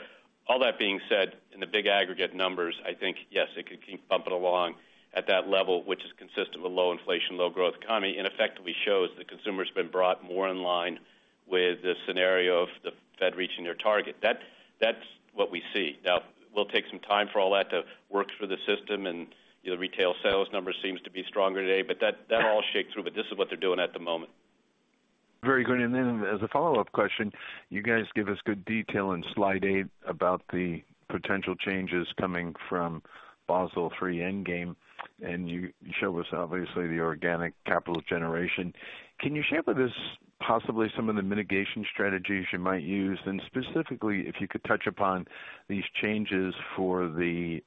all that being said, in the big aggregate numbers, I think, yes, it could keep bumping along at that level, which is consistent with low inflation, low growth economy, and effectively shows the consumer has been brought more in line with the scenario of the Fed reaching their target. That, that's what we see. Now, we'll take some time for all that to work through the system, and, you know, retail sales numbers seems to be stronger today, but that, that all shake through. But this is what they're doing at the moment. Very good. And then as a follow-up question, you guys give us good detail in slide 8 about the potential changes coming from Basel III Endgame, and you show us obviously the organic capital generation. Can you share with us possibly some of the mitigation strategies you might use? And specifically, if you could touch upon these changes for the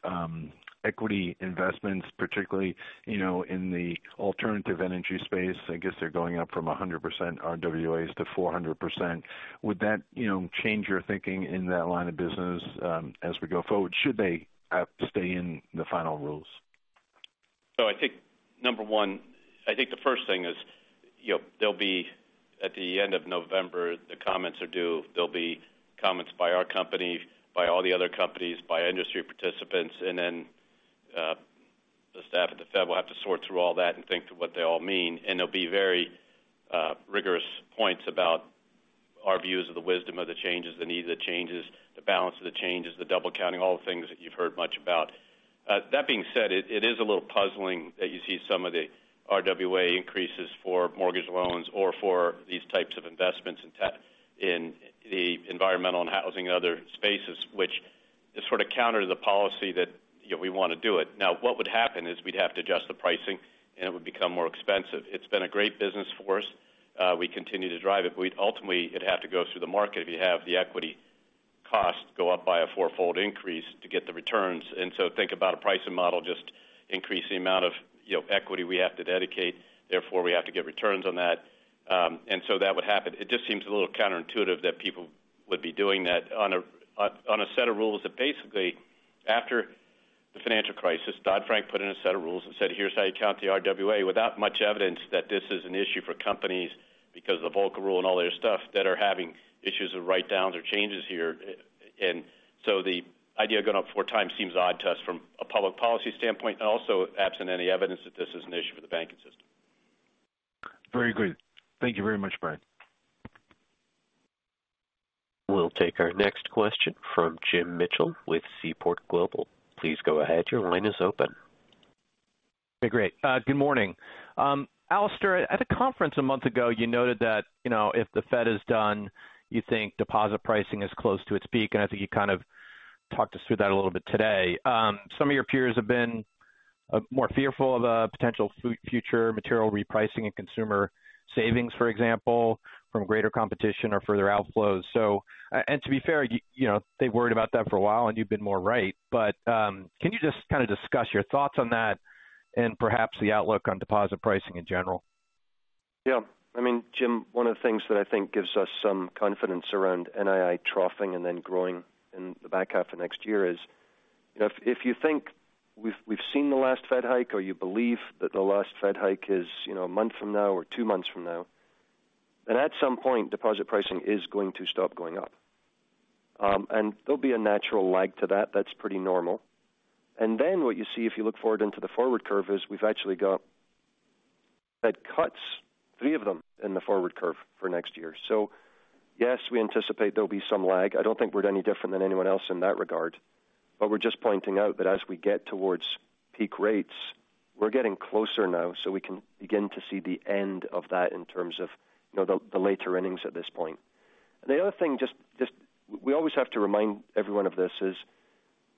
equity investments, particularly, you know, in the alternative energy space. I guess they're going up from 100% RWAs to 400%. Would that, you know, change your thinking in that line of business as we go forward? Should they have to stay in the final rules? So I think, number one, I think the first thing is, you know, there'll be at the end of November, the comments are due. There'll be comments by our company, by all the other companies, by industry participants, and then, the staff at the Fed will have to sort through all that and think to what they all mean. And there'll be very rigorous points about our views of the wisdom of the changes, the need of the changes, the balance of the changes, the double counting, all the things that you've heard much about. That being said, it is a little puzzling that you see some of the RWA increases for mortgage loans or for these types of investments in the environmental and housing and other spaces, which is sort of counter to the policy that, you know, we want to do it. Now, what would happen is we'd have to adjust the pricing, and it would become more expensive. It's been a great business for us. We continue to drive it, but we'd ultimately, it'd have to go through the market if you have the equity cost go up by a fourfold increase to get the returns. And so think about a pricing model, just increase the amount of, you know, equity we have to dedicate, therefore, we have to get returns on that. And so that would happen. It just seems a little counterintuitive that people would be doing that on a set of rules that basically, after the financial crisis, Dodd-Frank put in a set of rules and said, "Here's how you count the RWA," without much evidence that this is an issue for companies, because the Volcker Rule and all that other stuff that are having issues with write downs or changes here. And so the idea of going up four times seems odd to us from a public policy standpoint, and also absent any evidence that this is an issue for the banking system. Very good. Thank you very much, Brian. We'll take our next question from Jim Mitchell with Seaport Global. Please go ahead. Your line is open. Okay, great. Good morning. Alastair, at a conference a month ago, you noted that, you know, if the Fed is done, you think deposit pricing is close to its peak, and I think you kind of talked us through that a little bit today. Some of your peers have been more fearful of a potential future material repricing and consumer savings, for example, from greater competition or further outflows. So, and to be fair, you, you know, they've worried about that for a while, and you've been more right. But, can you just kind of discuss your thoughts on that and perhaps the outlook on deposit pricing in general? Yeah. I mean, Jim, one of the things that I think gives us some confidence around NII troughing and then growing in the back half of next year is, you know, if you think we've seen the last Fed hike, or you believe that the last Fed hike is, you know, a month from now or two months from now, then at some point, deposit pricing is going to stop going up. And there'll be a natural lag to that. That's pretty normal. And then what you see, if you look forward into the forward curve, is we've actually got Fed cuts, three of them in the forward curve for next year. So yes, we anticipate there'll be some lag. I don't think we're any different than anyone else in that regard, but we're just pointing out that as we get towards peak rates, we're getting closer now, so we can begin to see the end of that in terms of, you know, the later innings at this point. And the other thing, just... We always have to remind everyone of this, is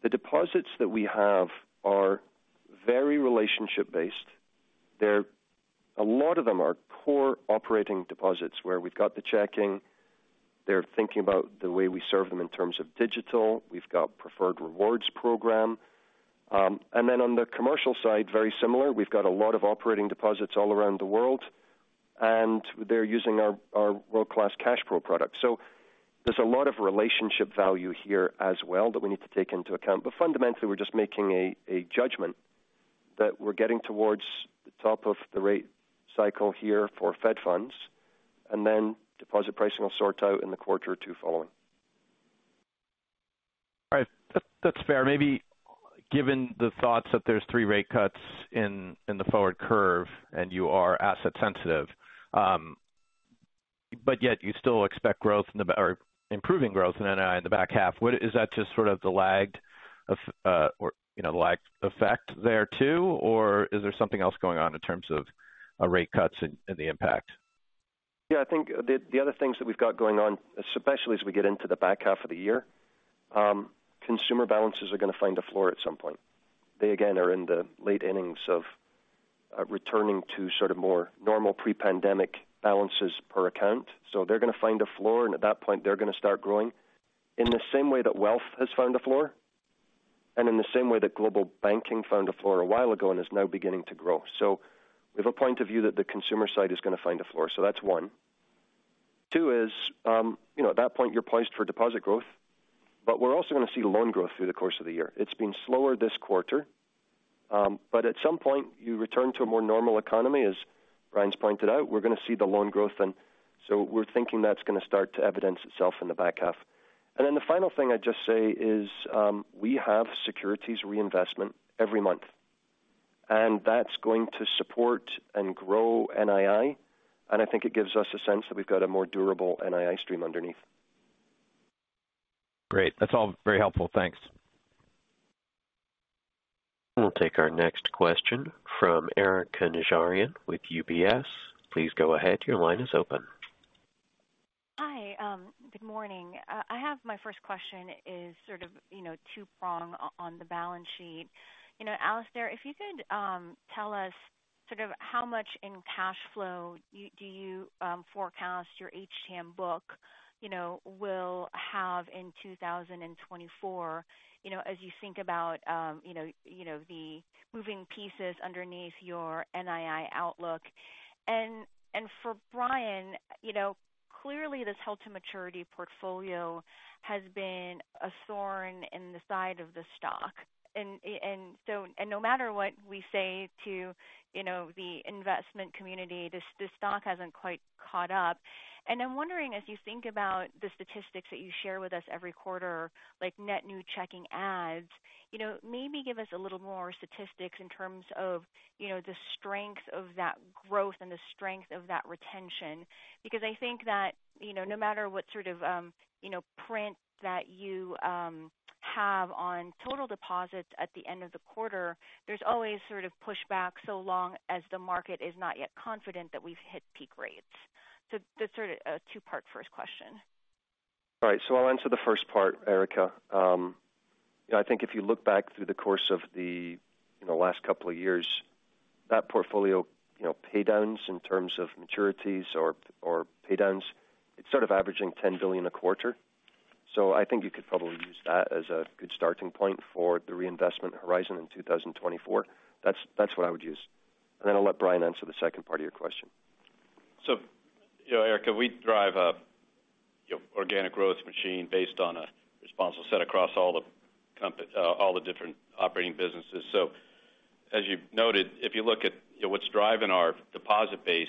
the deposits that we have are very relationship-based. They're a lot of them are core operating deposits, where we've got the checking. They're thinking about the way we serve them in terms of digital. We've got Preferred Rewards program. And then on the commercial side, very similar. We've got a lot of operating deposits all around the world, and they're using our world-class CashPro product. So there's a lot of relationship value here as well that we need to take into account. But fundamentally, we're just making a judgment that we're getting towards the top of the rate cycle here for Fed funds, and then deposit pricing will sort out in the quarter or two following. All right. That's fair. Maybe given the thoughts that there's 3 rate cuts in the forward curve and you are asset sensitive, but yet you still expect growth in the back half or improving growth in NII in the back half, what is that just sort of the lagged effect there, too, or is there something else going on in terms of rate cuts and the impact? Yeah, I think the other things that we've got going on, especially as we get into the back half of the year, consumer balances are going to find a floor at some point. They, again, are in the late innings of returning to sort of more normal pre-pandemic balances per account. So they're going to find a floor, and at that point, they're going to start growing in the same way that wealth has found a floor and in the same way that Global Banking found a floor a while ago and is now beginning to grow. So we have a point of view that the consumer side is going to find a floor, so that's one. Two is, you know, at that point, you're poised for deposit growth, but we're also going to see loan growth through the course of the year. It's been slower this quarter, but at some point, you return to a more normal economy. As Brian's pointed out, we're going to see the loan growth, and so we're thinking that's going to start to evidence itself in the back half. And then the final thing I'd just say is, we have securities reinvestment every month, and that's going to support and grow NII, and I think it gives us a sense that we've got a more durable NII stream underneath. Great. That's all very helpful. Thanks. We'll take our next question from Erika Najarian with UBS. Please go ahead. Your line is open. Hi, good morning. I have my first question is sort of, you know, two-pronged on the balance sheet. You know, Alastair, if you could tell us sort of how much in cash flow you forecast your HTM book will have in 2024, you know, as you think about the moving pieces underneath your NII outlook? And for Brian, you know, clearly, this hold-to-maturity portfolio has been a thorn in the side of the stock. And so, no matter what we say to the investment community, this stock hasn't quite caught up. I'm wondering, as you think about the statistics that you share with us every quarter, like net new checking accounts, you know, maybe give us a little more statistics in terms of, you know, the strength of that growth and the strength of that retention? Because I think that, you know, no matter what sort of, you know, print that you have on total deposits at the end of the quarter, there's always sort of pushback so long as the market is not yet confident that we've hit peak rates. So that's sort of a two-part first question. All right. So I'll answer the first part, Erika. I think if you look back through the course of the, you know, last couple of years, that portfolio, you know, paydowns in terms of maturities or, or paydowns, it's sort of averaging $10 billion a quarter. So I think you could probably use that as a good starting point for the reinvestment horizon in 2024. That's, that's what I would use. And then I'll let Brian answer the second part of your question. So, you know, Erika, we drive a, you know, organic growth machine based on a responsible set across all the company, all the different operating businesses. So as you've noted, if you look at, you know, what's driving our deposit base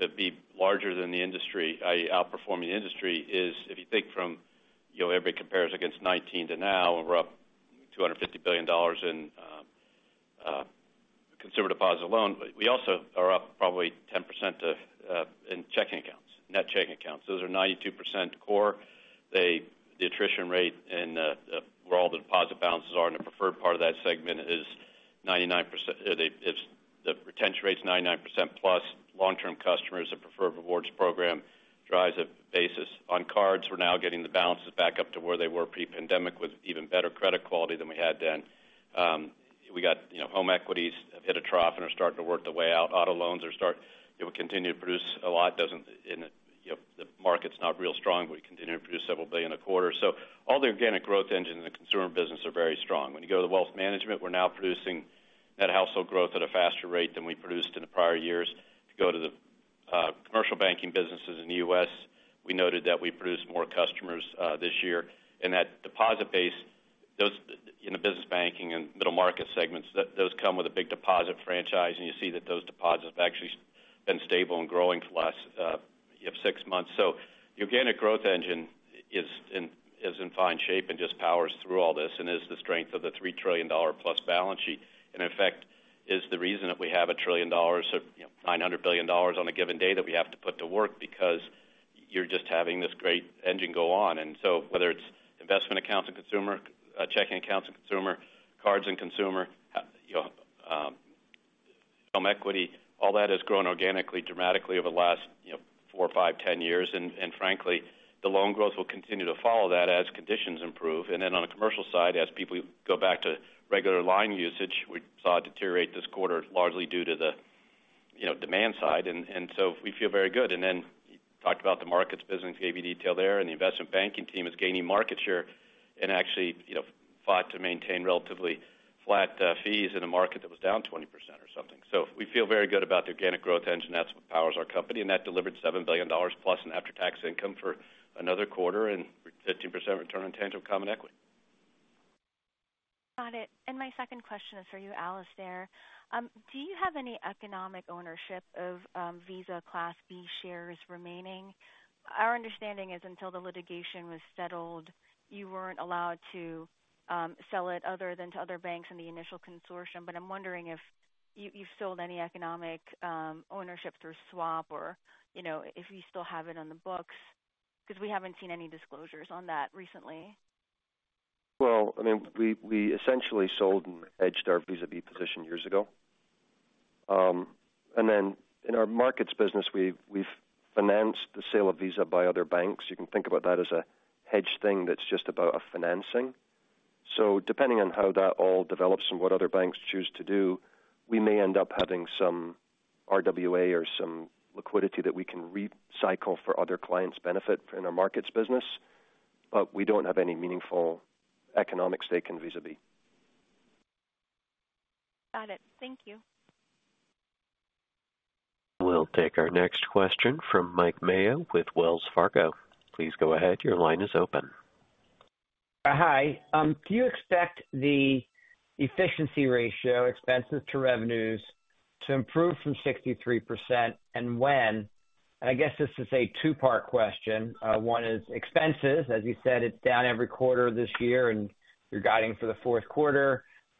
to be larger than the industry, i.e., outperforming the industry, is if you think from, you know, everybody compares against 2019 to now, we're up $250 billion in consumer deposit loans. We also are up probably 10% in checking accounts, net checking accounts. Those are 92% core. The attrition rate and where all the deposit balances are in the preferred part of that segment is 99%... It's the retention rate is 99% plus. Long-term customers, the Preferred Rewards program drives a basis. On cards, we're now getting the balances back up to where they were pre-pandemic, with even better credit quality than we had then. We got, you know, home equities have hit a trough and are starting to work their way out. Auto loans are starting to produce a lot. They will continue to produce a lot, you know, the market's not real strong, but we continue to produce $several billion a quarter. So all the organic growth engines in the consumer business are very strong. When you go to the wealth management, we're now producing net household growth at a faster rate than we produced in the prior years. If you go to the commercial banking businesses in the US, we noted that we produced more customers this year. That deposit base, those in the business banking and middle-market segments, those come with a big deposit franchise, and you see that those deposits have actually been stable and growing for the last, you have 6 months. So the organic growth engine is in fine shape and just powers through all this and is the strength of the $3 trillion-plus balance sheet, and in fact, is the reason that we have $1 trillion or, you know, $900 billion on a given day that we have to put to work, because you're just having this great engine go on. And so whether it's investment accounts and consumer, checking accounts and consumer, cards and consumer, you know, home equity, all that has grown organically, dramatically over the last, you know, 4, 5, 10 years. Frankly, the loan growth will continue to follow that as conditions improve. Then on the commercial side, as people go back to regular line usage, we saw it deteriorate this quarter, largely due to the, you know, demand side, and so we feel very good. Then you talked about the markets business, gave you detail there, and the investment banking team is gaining market share and actually, you know, fought to maintain relatively flat fees in a market that was down 20% or something. So we feel very good about the organic growth engine. That's what powers our company, and that delivered $7 billion plus in after-tax income for another quarter and 15% return on tangible common equity. Got it. My second question is for you, Alastair. Do you have any economic ownership of Visa Class B shares remaining? Our understanding is, until the litigation was settled, you weren't allowed to sell it other than to other banks in the initial consortium. But I'm wondering if you've sold any economic ownership through swap or, you know, if you still have it on the books, because we haven't seen any disclosures on that recently. Well, I mean, we essentially sold and hedged our Visa B position years ago. And then in our markets business, we've financed the sale of Visa by other banks. You can think about that as a hedge thing that's just about a financing. So depending on how that all develops and what other banks choose to do, we may end up having some RWA or some liquidity that we can recycle for other clients' benefit in our markets business, but we don't have any meaningful economic stake in Visa B. Got it. Thank you. We'll take our next question from Mike Mayo with Wells Fargo. Please go ahead. Your line is open. Hi. Do you expect the efficiency ratio, expenses to revenues, to improve from 63%, and when? I guess this is a two-part question. One is expenses. As you said, it's down every quarter this year, and you're guiding for the Q4.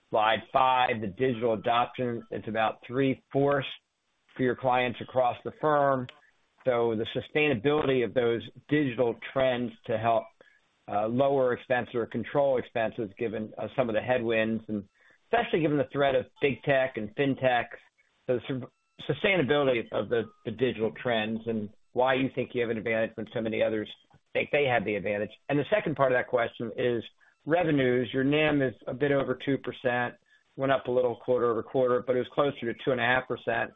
Slide five, the digital adoption, it's about three-fourths for your clients across the firm. So the sustainability of those digital trends to help lower expense or control expenses, given some of the headwinds, and especially given the threat of big tech and fintech, the sustainability of the digital trends and why you think you have an advantage when so many others think they have the advantage. And the second part of that question is revenues. Your NIM is a bit over 2%, went up a little quarter-over-quarter, but it was closer to 2.5%.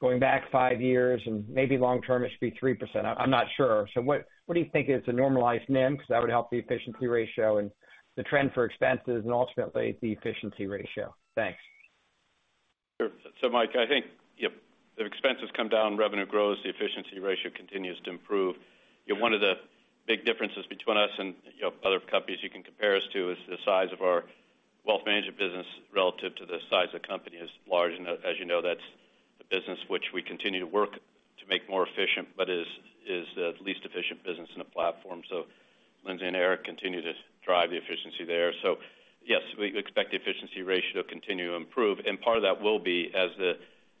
Going back five years, and maybe long term, it should be 3%. I'm not sure. So what, what do you think is a normalized NIM? Because that would help the efficiency ratio and the trend for expenses and ultimately the efficiency ratio. Thanks. Sure. So Mike, I think, yep, if expenses come down, revenue grows, the efficiency ratio continues to improve. You know, one of the big differences between us and, you know, other companies you can compare us to is the size of our wealth management business relative to the size of the company is large. And as you know, that's the business which we continue to work on... to make more efficient, but is, is the least efficient business in the platform. So Lindsay and Eric continue to drive the efficiency there. So yes, we expect the efficiency ratio to continue to improve, and part of that will be as the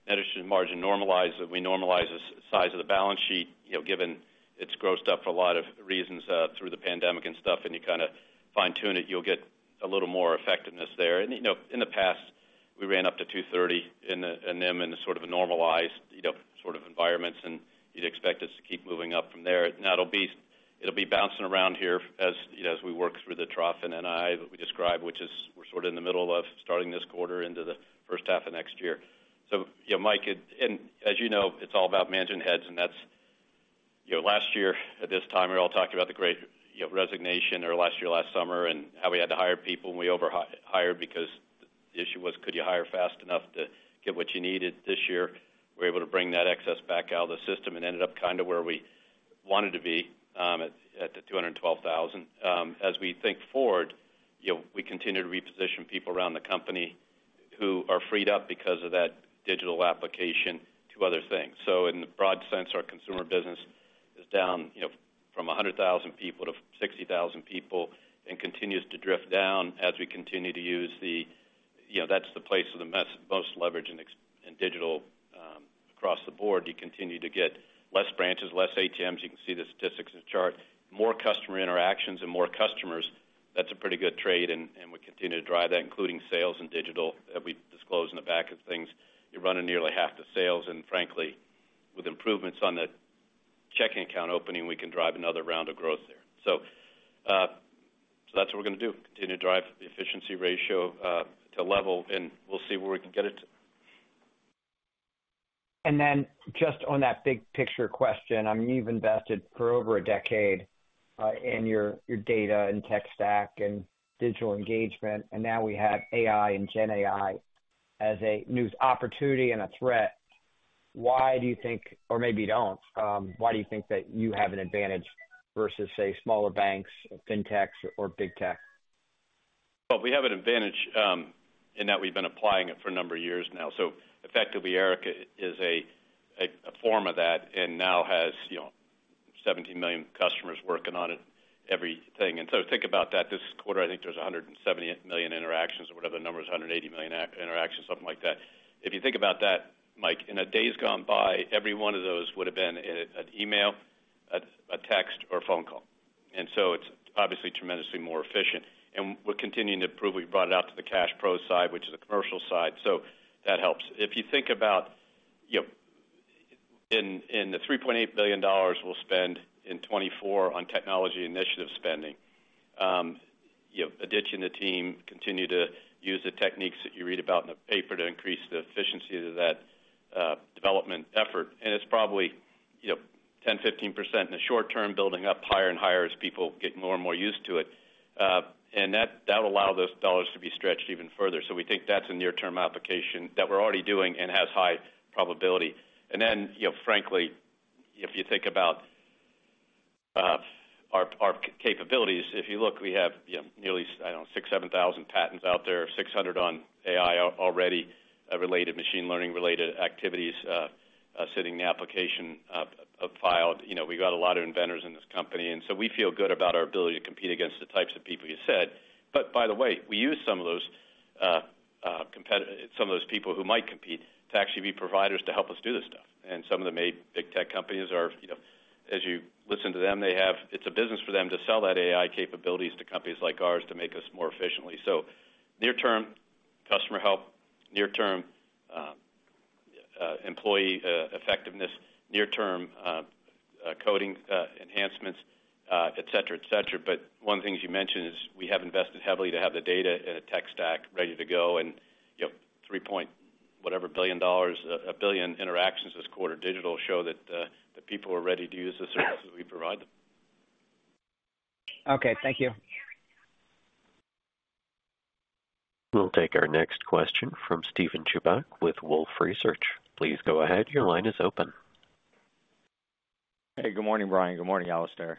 net interest margin normalizes, we normalize the size of the balance sheet, you know, given it's grossed up for a lot of reasons through the pandemic and stuff, and you kind of fine-tune it, you'll get a little more effectiveness there. And, you know, in the past, we ran up to 230 in the-- in NIM, in the sort of a normalized, you know, sort of environments, and you'd expect us to keep moving up from there. Now, it'll be, it'll be bouncing around here as, you know, as we work through the trough in NII that we described, which is we're sort of in the middle of starting this quarter into the first half of next year. So, you know, Mike, and as you know, it's all about managing heads, and that's, you know, last year at this time, we all talked about the great, you know, resignation or last year, last summer, and how we had to hire people, and we overhired because the issue was, could you hire fast enough to get what you needed? This year, we're able to bring that excess back out of the system and ended up kind of where we wanted to be at 212,000. As we think forward, you know, we continue to reposition people around the company who are freed up because of that digital application to other things. So in the broad sense, our consumer business is down, you know, from 100,000 people to 60,000 people and continues to drift down as we continue to use the... You know, that's the place of the most leverage in digital across the board. You continue to get less branches, less ATMs. You can see the statistics in the chart. More customer interactions and more customers. That's a pretty good trade, and we continue to drive that, including sales and digital, that we disclose in the back of things. You're running nearly half the sales, and frankly, with improvements on the checking account opening, we can drive another round of growth there. So that's what we're going to do, continue to drive the efficiency ratio to level, and we'll see where we can get it to. And then just on that big picture question, I mean, you've invested for over a decade, in your, your data and tech stack and digital engagement, and now we have AI and GenAI as a new opportunity and a threat. Why do you think, or maybe you don't, why do you think that you have an advantage versus, say, smaller banks, Fintechs or Big Tech? Well, we have an advantage in that we've been applying it for a number of years now. So effectively, Erica is a form of that and now has, you know, 17 million customers working on it, everything. And so think about that. This quarter, I think there's 170 million interactions or whatever the number is, 180 million interactions, something like that. If you think about that, Mike, in the days gone by, every one of those would have been an email, a text, or a phone call. And so it's obviously tremendously more efficient, and we're continuing to improve. We brought it out to the CashPro side, which is a commercial side, so that helps. If you think about, you know, in the $3.8 billion we'll spend in 2024 on technology initiative spending, Aditya and the team continue to use the techniques that you read about in the paper to increase the efficiency of that development effort. And it's probably, you know, 10%-15% in the short term, building up higher and higher as people get more and more used to it. And that will allow those dollars to be stretched even further. So we think that's a near-term application that we're already doing and has high probability. And then, you know, frankly, if you think about our capabilities, if you look, we have, you know, nearly, I don't know, 6,000-7,000 patents out there, 600 on AI already, related, machine learning-related activities, sitting in the application, filed. You know, we got a lot of inventors in this company, and so we feel good about our ability to compete against the types of people you said. But by the way, we use some of those, some of those people who might compete to actually be providers to help us do this stuff. And some of the big Big Tech companies are, you know, as you listen to them, they have—it's a business for them to sell that AI capabilities to companies like ours to make us more efficiently. So near term, customer help, near term, employee effectiveness, near term, coding enhancements, et cetera, et cetera. But one of the things you mentioned is we have invested heavily to have the data in a tech stack ready to go, and, you know, $3 billion, 1 billion interactions this quarter, digital, show that the people are ready to use the services we provide them. Okay. Thank you. We'll take our next question from Steven Chubak with Wolfe Research. Please go ahead. Your line is open. Hey, good morning, Brian. Good morning, Alastair.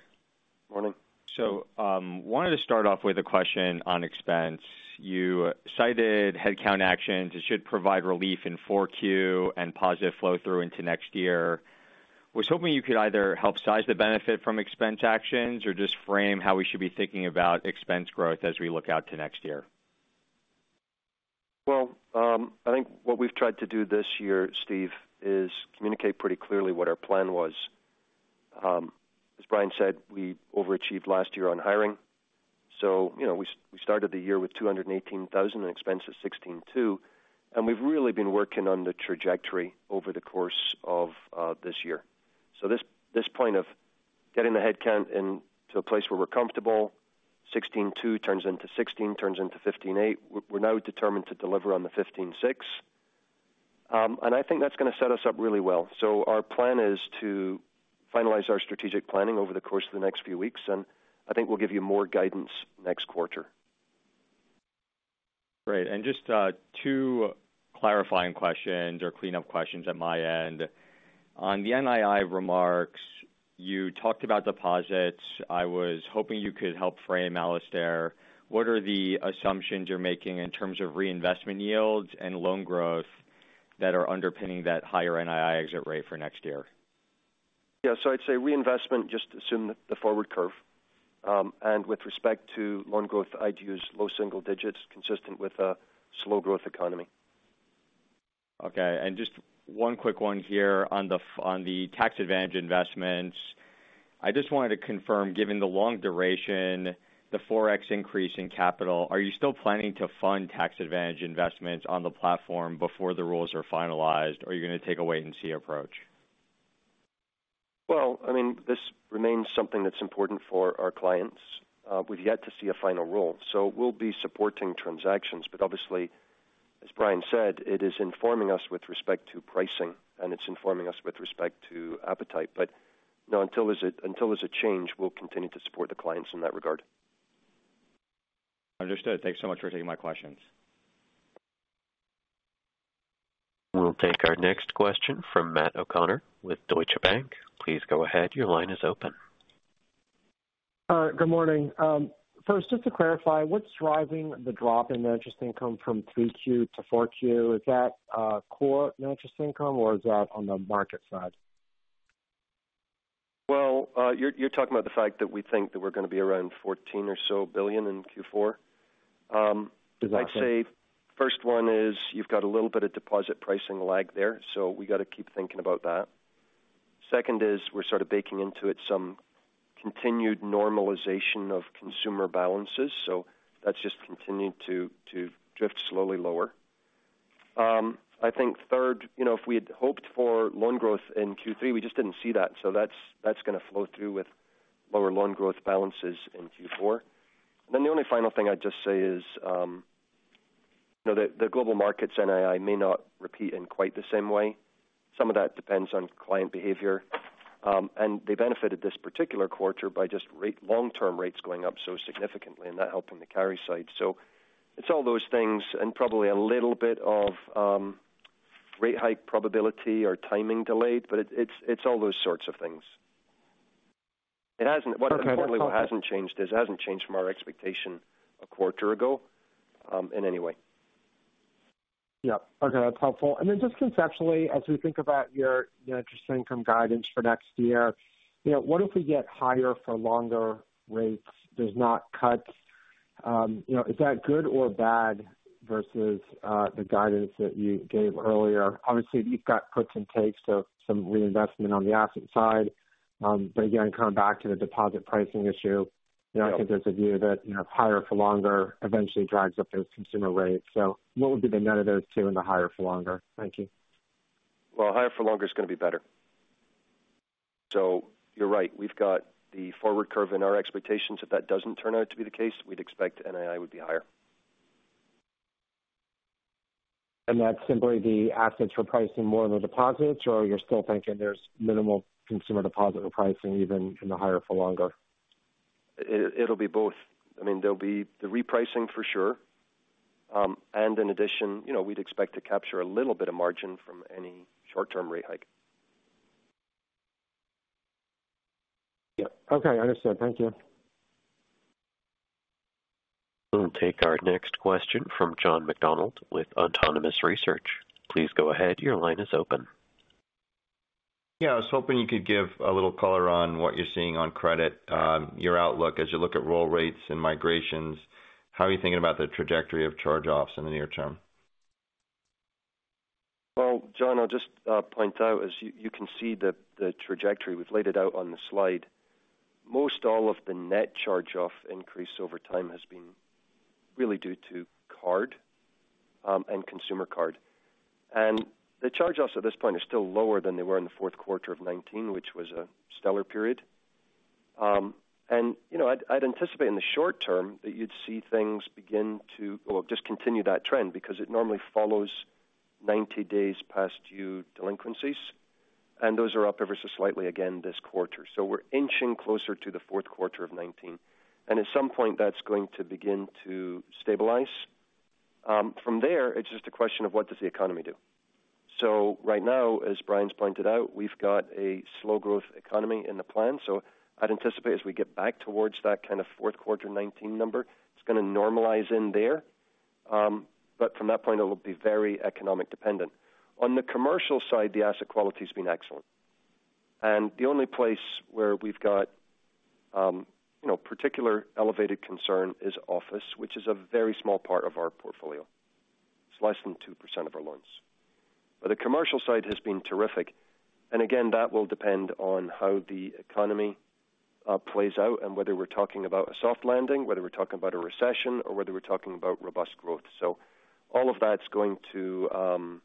Morning. So, wanted to start off with a question on expense. You cited headcount actions that should provide relief in Q4 and positive flow-through into next year. Was hoping you could either help size the benefit from expense actions or just frame how we should be thinking about expense growth as we look out to next year? I think what we've tried to do this year, Steven, is communicate pretty clearly what our plan was. As Brian said, we overachieved last year on hiring. So, you know, we started the year with 218,000 in expense of $16.2 billion, and we've really been working on the trajectory over the course of this year. So this point of getting the headcount in to a place where we're comfortable, $16.2 billion turns into $16 billion, turns into $15.8 billion. We're now determined to deliver on the $15.6 billion. And I think that's going to set us up really well. So our plan is to finalize our strategic planning over the course of the next few weeks, and I think we'll give you more guidance next quarter. Great. And just, two clarifying questions or cleanup questions at my end. On the NII remarks. You talked about deposits. I was hoping you could help frame, Alastair, what are the assumptions you're making in terms of reinvestment yields and loan growth that are underpinning that higher NII exit rate for next year? Yeah, so I'd say reinvestment, just assume the forward curve. And with respect to loan growth, I'd use low single digits, consistent with a slow growth economy. Okay, and just one quick one here on the tax advantage investments. I just wanted to confirm, given the long duration, the Forex increase in capital, are you still planning to fund tax advantage investments on the platform before the rules are finalized, or are you going to take a wait-and-see approach? Well, I mean, this remains something that's important for our clients. We've yet to see a final rule, so we'll be supporting transactions. But obviously, as Brian said, it is informing us with respect to pricing, and it's informing us with respect to appetite. But no, until there's a change, we'll continue to support the clients in that regard. Understood. Thank you so much for taking my questions. We'll take our next question from Matt O'Connor with Deutsche Bank. Please go ahead. Your line is open. Good morning. First, just to clarify, what's driving the drop in net interest income from Q2 to Q4? Is that core net interest income, or is that on the market side? Well, you're, you're talking about the fact that we think that we're going to be around $14 billion or so in Q4? Exactly. I'd say first one is you've got a little bit of deposit pricing lag there, so we got to keep thinking about that. Second is we're sort of baking into it some continued normalization of consumer balances, so that's just continued to drift slowly lower. I think third, you know, if we had hoped for loan growth in Q3, we just didn't see that. So that's going to flow through with lower loan growth balances in Q4. Then the only final thing I'd just say is, you know, the Global Markets NII may not repeat in quite the same way. Some of that depends on client behavior. And they benefited this particular quarter by just rates, long-term rates going up so significantly and that helping the carry side. So it's all those things and probably a little bit of, rate hike probability or timing delayed, but it's, it's all those sorts of things. it hasn't changed from our expectation a quarter ago, in any way. Yeah. Okay, that's helpful. And then just conceptually, as we think about your, your interest income guidance for next year, you know, what if we get higher for longer rates, there's not cuts? You know, is that good or bad versus the guidance that you gave earlier? Obviously, you've got puts and takes, so some reinvestment on the asset side. But again, coming back to the deposit pricing issue, you know, I think there's a view that, you know, higher for longer eventually drives up those consumer rates. So what would be the net of those two in the higher for longer? Thank you. Well, higher for longer is going to be better. So you're right, we've got the forward curve in our expectations. If that doesn't turn out to be the case, we'd expect NII would be higher. That's simply the assets we're pricing more than the deposits, or you're still thinking there's minimal consumer deposit repricing even in the higher for longer? It, it'll be both. I mean, there'll be the repricing for sure. And in addition, you know, we'd expect to capture a little bit of margin from any short-term rate hike. Yeah. Okay, understood. Thank you. We'll take our next question from John McDonald with Autonomous Research. Please go ahead. Your line is open. Yeah, I was hoping you could give a little color on what you're seeing on credit, your outlook as you look at roll rates and migrations, how are you thinking about the trajectory of charge-offs in the near term? Well, John, I'll just point out, as you can see the trajectory, we've laid it out on the slide. Most all of the net charge-off increase over time has been really due to card and consumer card. And the charge-offs at this point are still lower than they were in the Q4 of 2019, which was a stellar period. And, you know, I'd anticipate in the short term that you'd see things begin to... Well, just continue that trend because it normally follows ninety days past due delinquencies, and those are up ever so slightly again this quarter. So we're inching closer to the Q4 of 2019, and at some point, that's going to begin to stabilize. From there, it's just a question of what does the economy do? So right now, as Brian's pointed out, we've got a slow growth economy in the plan, so I'd anticipate as we get back towards that kind of Q4 2019 number, it's going to normalize in there. But from that point, it will be very economic dependent. On the commercial side, the asset quality has been excellent, and the only place where we've got, you know, particular elevated concern is office, which is a very small part of our portfolio. It's less than 2% of our loans. But the commercial side has been terrific, and again, that will depend on how the economy plays out and whether we're talking about a soft landing, whether we're talking about a recession, or whether we're talking about robust growth. So all of that's going to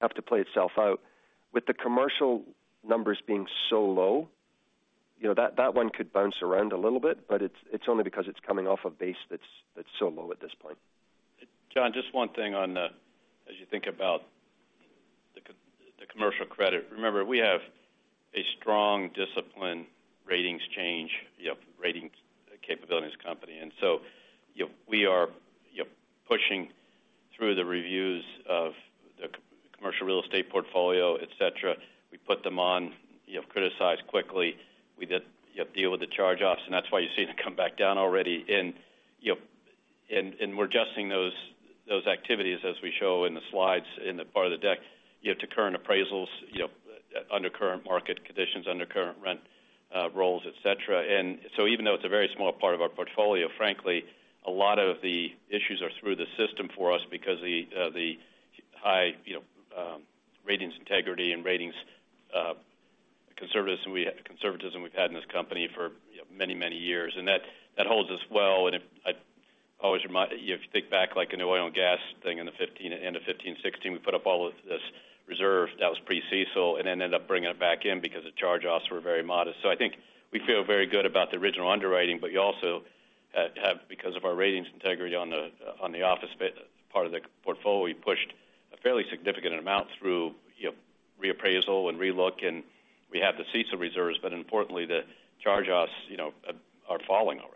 have to play itself out. With the commercial numbers being so low, you know, that one could bounce around a little bit, but it's only because it's coming off a base that's so low at this point. John, just one thing on the... As you think about the commercial credit, remember, we have a strong discipline, ratings change, you know, ratings capabilities company. And so, you know, we are the commercial real estate portfolio, et cetera. We put them on, you know, criticized quickly. We did, you know, deal with the charge-offs, and that's why you see it come back down already. And, you know, and, and we're adjusting those, those activities as we show in the slides in the part of the deck, you know, to current appraisals, you know, under current market conditions, under current rent rolls, et cetera. And so even though it's a very small part of our portfolio, frankly, a lot of the issues are through the system for us because the high, you know, ratings integrity and ratings conservatism we've had in this company for, you know, many, many years. And that holds us well, and I always remind you, if you think back, like, in the oil and gas thing in the 2015, end of 2015, 2016, we put up all of this reserve that was pre-CECL, and then ended up bringing it back in because the charge-offs were very modest. So I think we feel very good about the original underwriting, but you also have because of our ratings integrity on the office part of the portfolio, we pushed a fairly significant amount through, you know, reappraisal and relook, and we have the CECL reserves, but importantly, the charge-offs, you know, are falling already.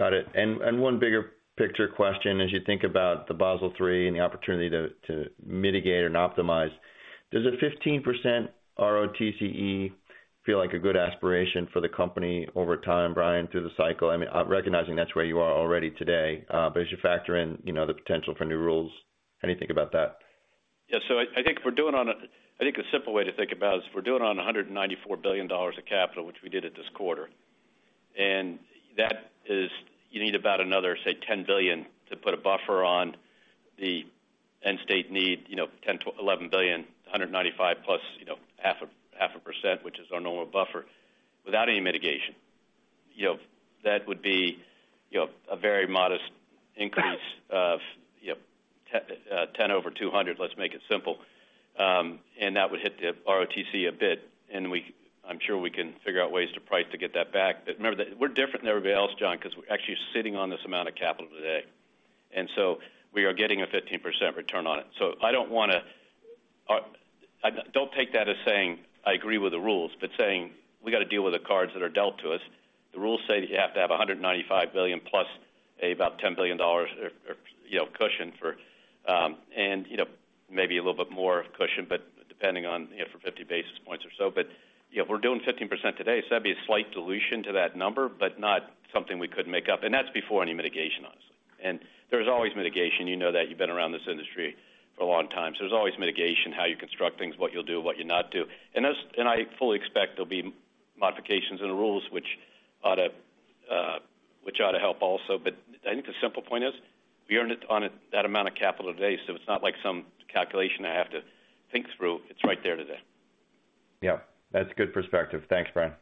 Got it. And one bigger picture question, as you think about the Basel III and the opportunity to mitigate and optimize, does a 15% ROTCE feel like a good aspiration for the company over time, Brian, through the cycle? I mean, recognizing that's where you are already today, but as you factor in, you know, the potential for new rules, how do you think about that? Yeah. So I, I think if we're doing on a hundred and ninety-four billion dollars of capital, which we did at this quarter. And that is, you need about another, say, $10 billion to put a buffer on the end state need, you know, $10-$11 billion, 195 plus, you know, half a percent, which is our normal buffer, without any mitigation. You know, that would be, you know, ten over 200, let's make it simple. And that would hit the ROTCE a bit, and we-- I'm sure we can figure out ways to price to get that back. But remember that we're different than everybody else, John, because we're actually sitting on this amount of capital today, and so we are getting a 15% return on it. So I don't want to. Don't take that as saying, I agree with the rules, but saying, we got to deal with the cards that are dealt to us. The rules say that you have to have $195 billion plus about $10 billion or, you know, cushion for, and, you know, maybe a little bit more of cushion, but depending on, you know, for 50 basis points or so. But, you know, if we're doing 15% today, so that'd be a slight dilution to that number, but not something we couldn't make up, and that's before any mitigation, honestly. And there's always mitigation. You know that. You've been around this industry for a long time. So there's always mitigation, how you construct things, what you'll do, what you'll not do. And those and I fully expect there'll be modifications in the rules which ought to, which ought to help also. But I think the simple point is, we earned it on it, that amount of capital today, so it's not like some calculation I have to think through. It's right there today. Yeah, that's good perspective. Thanks, Brian.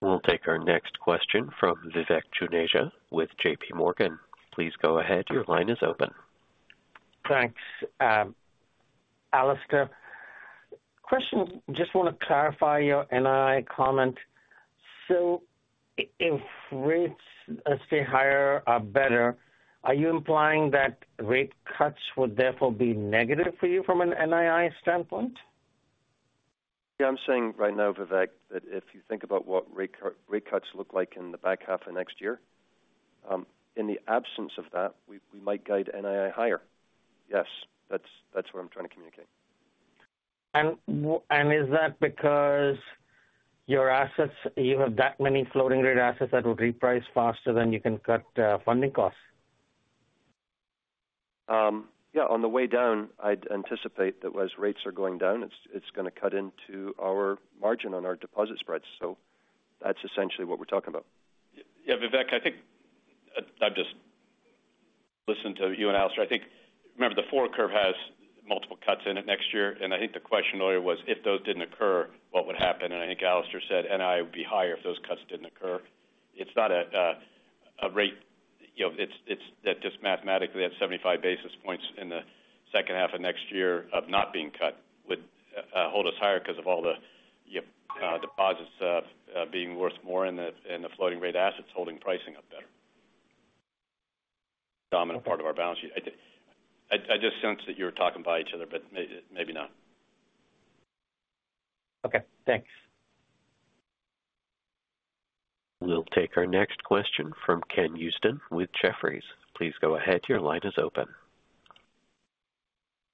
We'll take our next question from Vivek Juneja with JP Morgan. Please go ahead. Your line is open. Thanks. Alastair, question, just want to clarify your NII comment. So if rates, let's say, higher are better, are you implying that rate cuts would therefore be negative for you from an NII standpoint? Yeah, I'm saying right now, Vivek, that if you think about what rate cut- rate cuts look like in the back half of next year, in the absence of that, we, we might guide NII higher. Yes, that's, that's what I'm trying to communicate. Is that because your assets, you have that many floating rate assets that will reprice faster than you can cut funding costs? Yeah, on the way down, I'd anticipate that as rates are going down, it's going to cut into our margin on our deposit spreads. So that's essentially what we're talking about. Yeah, Vivek, I think I've just listened to you and Alastair. I think, remember, the forward curve has multiple cuts in it next year, and I think the question earlier was, if those didn't occur, what would happen? And I think Alastair said NII would be higher if those cuts didn't occur. It's not a rate, you know, it's that just mathematically, that 75 basis points in the second half of next year of not being cut would hold us higher because of all the, you know, deposits being worth more and the floating rate assets holding pricing up better. Dominant part of our balance sheet. I just sense that you're talking by each other, but maybe not. Okay, thanks. We'll take our next question from Ken Usdin with Jefferies. Please go ahead. Your line is open.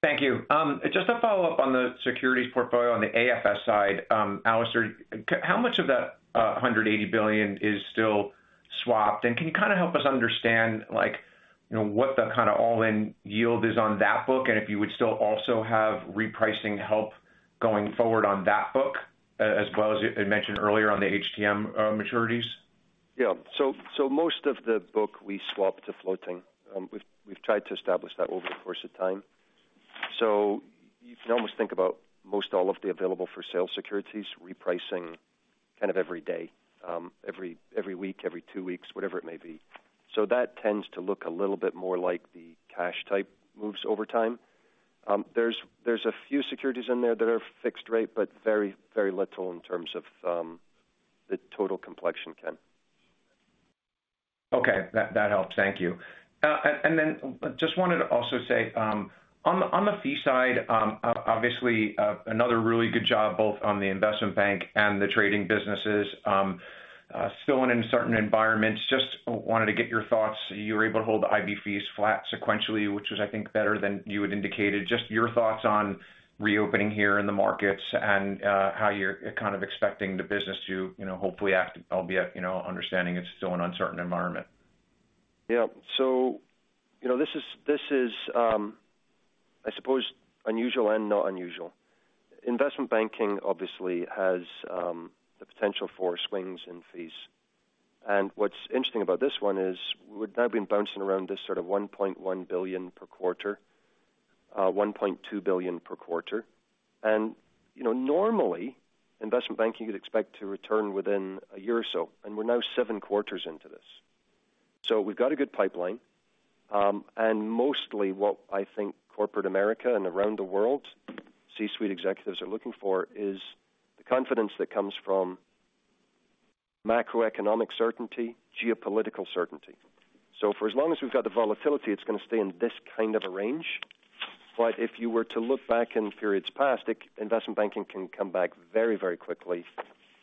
Thank you. Just a follow-up on the securities portfolio on the AFS side. Alastair, how much of that $180 billion is still swapped? And can you kind of help us understand, like, you know, what the kind of all-in yield is on that book, and if you would still also have repricing help going forward on that book, as well as you had mentioned earlier on the HTM maturities? Yeah. So, most of the book we swapped to floating. We've tried to establish that over the course of time. So you can almost think about most all of the available-for-sale securities repricing kind of every day, every week, every two weeks, whatever it may be. So that tends to look a little bit more like the cash type moves over time. There's a few securities in there that are fixed rate, but very, very little in terms of the total complexion, Ken. ... Okay, that, that helps. Thank you. And then just wanted to also say, on the fee side, obviously, another really good job, both on the investment bank and the trading businesses. Still in uncertain environments. Just wanted to get your thoughts. You were able to hold the IB fees flat sequentially, which was, I think, better than you had indicated. Just your thoughts on reopening here in the markets and, how you're kind of expecting the business to, you know, hopefully act, albeit, you know, understanding it's still an uncertain environment. Yeah. So, you know, this is, this is, I suppose, unusual and not unusual. Investment Banking obviously has the potential for swings in fees. And what's interesting about this one is we've now been bouncing around this sort of $1.1 billion-$1.2 billion per quarter. And, you know, normally, Investment Banking you'd expect to return within a year or so, and we're now 7 quarters into this. So we've got a good pipeline. And mostly what I think corporate America and around the world, C-suite executives are looking for is the confidence that comes from macroeconomic certainty, geopolitical certainty. So for as long as we've got the volatility, it's gonna stay in this kind of a range. But if you were to look back in periods past, investment banking can come back very, very quickly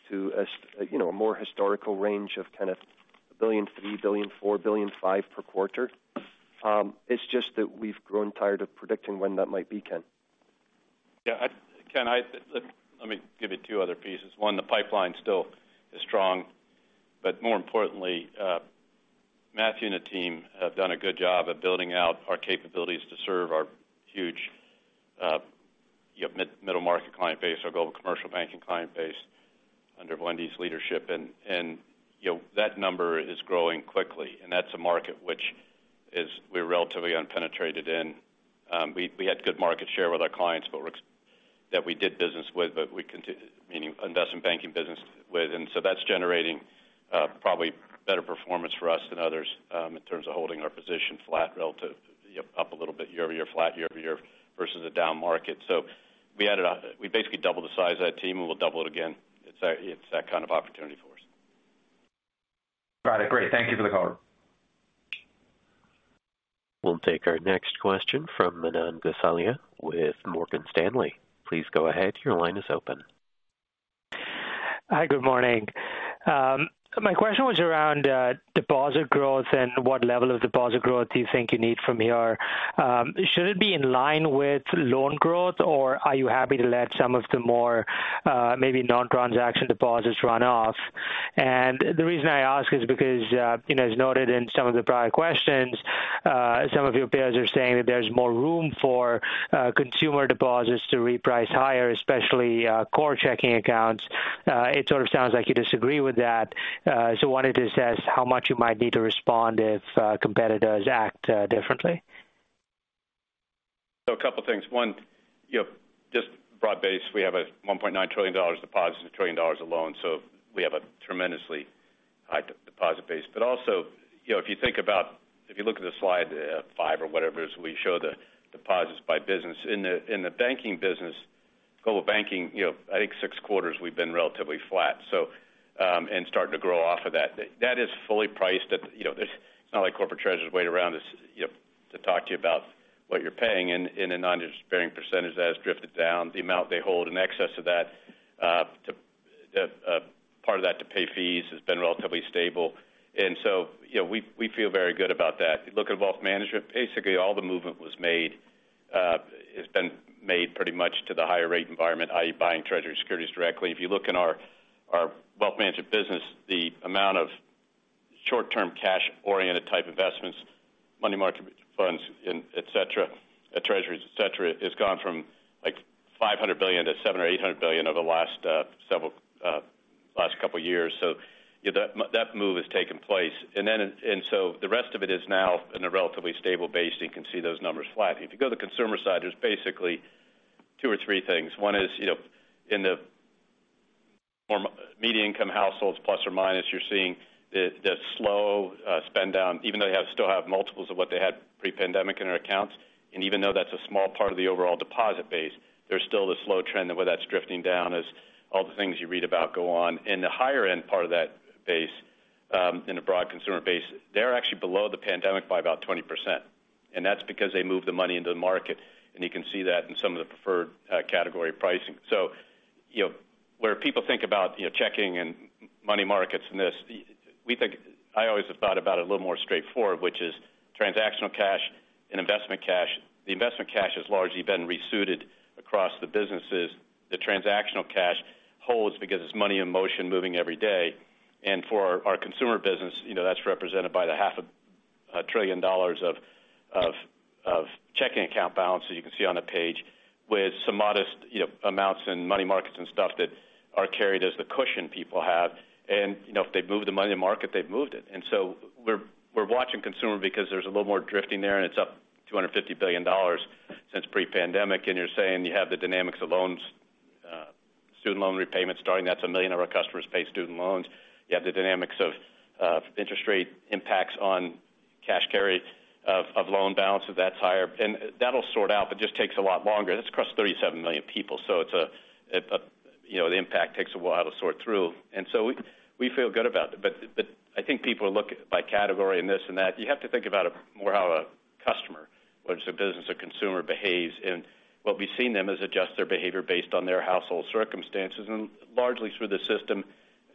to a you know, a more historical range of kind of $3 billion, $4 billion, $5 billion per quarter. It's just that we've grown tired of predicting when that might be, Ken. Yeah, Ken, let me give you two other pieces. One, the pipeline still is strong, but more importantly, Matthew and the team have done a good job of building out our capabilities to serve our huge, you know, middle market client base, our global commercial banking client base under Wendy's leadership. And, you know, that number is growing quickly, and that's a market which is we're relatively unpenetrated in. We had good market share with our clients, but that we did business with, but we meaning investment banking business with. And so that's generating, probably better performance for us than others, in terms of holding our position flat relative, you know, up a little bit, year-over-year, flat year-over-year versus a down market. So we added up... We basically doubled the size of that team, and we'll double it again. It's that, it's that kind of opportunity for us. Got it. Great. Thank you for the call. We'll take our next question from Manan Gosalia with Morgan Stanley. Please go ahead. Your line is open. Hi, good morning. My question was around deposit growth and what level of deposit growth do you think you need from here? Should it be in line with loan growth, or are you happy to let some of the more maybe non-transaction deposits run off? And the reason I ask is because you know, as noted in some of the prior questions, some of your peers are saying that there's more room for consumer deposits to reprice higher, especially core checking accounts. It sort of sounds like you disagree with that. So wanted to assess how much you might need to respond if competitors act differently. So a couple things. One, you know, just broad-based, we have a $1.9 trillion deposit, $1 trillion of loans, so we have a tremendously high deposit base. But also, you know, if you think about if you look at the slide, five or whatever, as we show the deposits by business. In the, in the banking business, Global Banking, you know, I think 6 quarters we've been relatively flat, so, and starting to grow off of that. That is fully priced at, you know, it's not like corporate treasurers wait around to you know, to talk to you about what you're paying in, in a non-interest-bearing percentage that has drifted down. The amount they hold in excess of that, to, part of that to pay fees has been relatively stable. So, you know, we feel very good about that. You look at wealth management, basically all the movement was made has been made pretty much to the higher rate environment, i.e., buying Treasury securities directly. If you look in our wealth management business, the amount of short-term, cash-oriented type investments, money market funds, and et cetera, treasuries, et cetera, has gone from, like, $500 billion to $700 billion or $800 billion over the last couple of years. So, yeah, that move has taken place. And then, so the rest of it is now in a relatively stable base, and you can see those numbers flat. If you go to the consumer side, there's basically two or three things. One is, you know, in the form of median income households, plus or minus, you're seeing the slow spend down, even though they still have multiples of what they had pre-pandemic in their accounts. And even though that's a small part of the overall deposit base, there's still a slow trend of where that's drifting down as all the things you read about go on. In the higher end part of that base, in the broad consumer base, they're actually below the pandemic by about 20%, and that's because they moved the money into the market, and you can see that in some of the preferred category pricing. So, you know, where people think about, you know, checking and money markets and this, we think... I always have thought about it a little more straightforward, which is transactional cash and investment cash. The investment cash has largely been resuited across the businesses. The transactional cash holds because it's money in motion moving every day. And for our consumer business, you know, that's represented by the $0.5 trillion of checking account balances you can see on the page, with some modest, you know, amounts in money markets and stuff that are carried as the cushion people have. And, you know, if they move the money in the market, they've moved it. And so we're watching consumer because there's a little more drifting there, and it's up $250 billion since pre-pandemic. And you're saying you have the dynamics of loans, student loan repayments starting. That's 1 million of our customers pay student loans. You have the dynamics of interest rate impacts on cash carry.... of loan balance, so that's higher, and that'll sort out, but just takes a lot longer. That's across 37 million people, so it's a you know, the impact takes a while to sort through, and so we feel good about it. But I think people look by category and this and that. You have to think about it more how a customer, whether it's a business or consumer, behaves. And what we've seen them is adjust their behavior based on their household circumstances and largely through the system,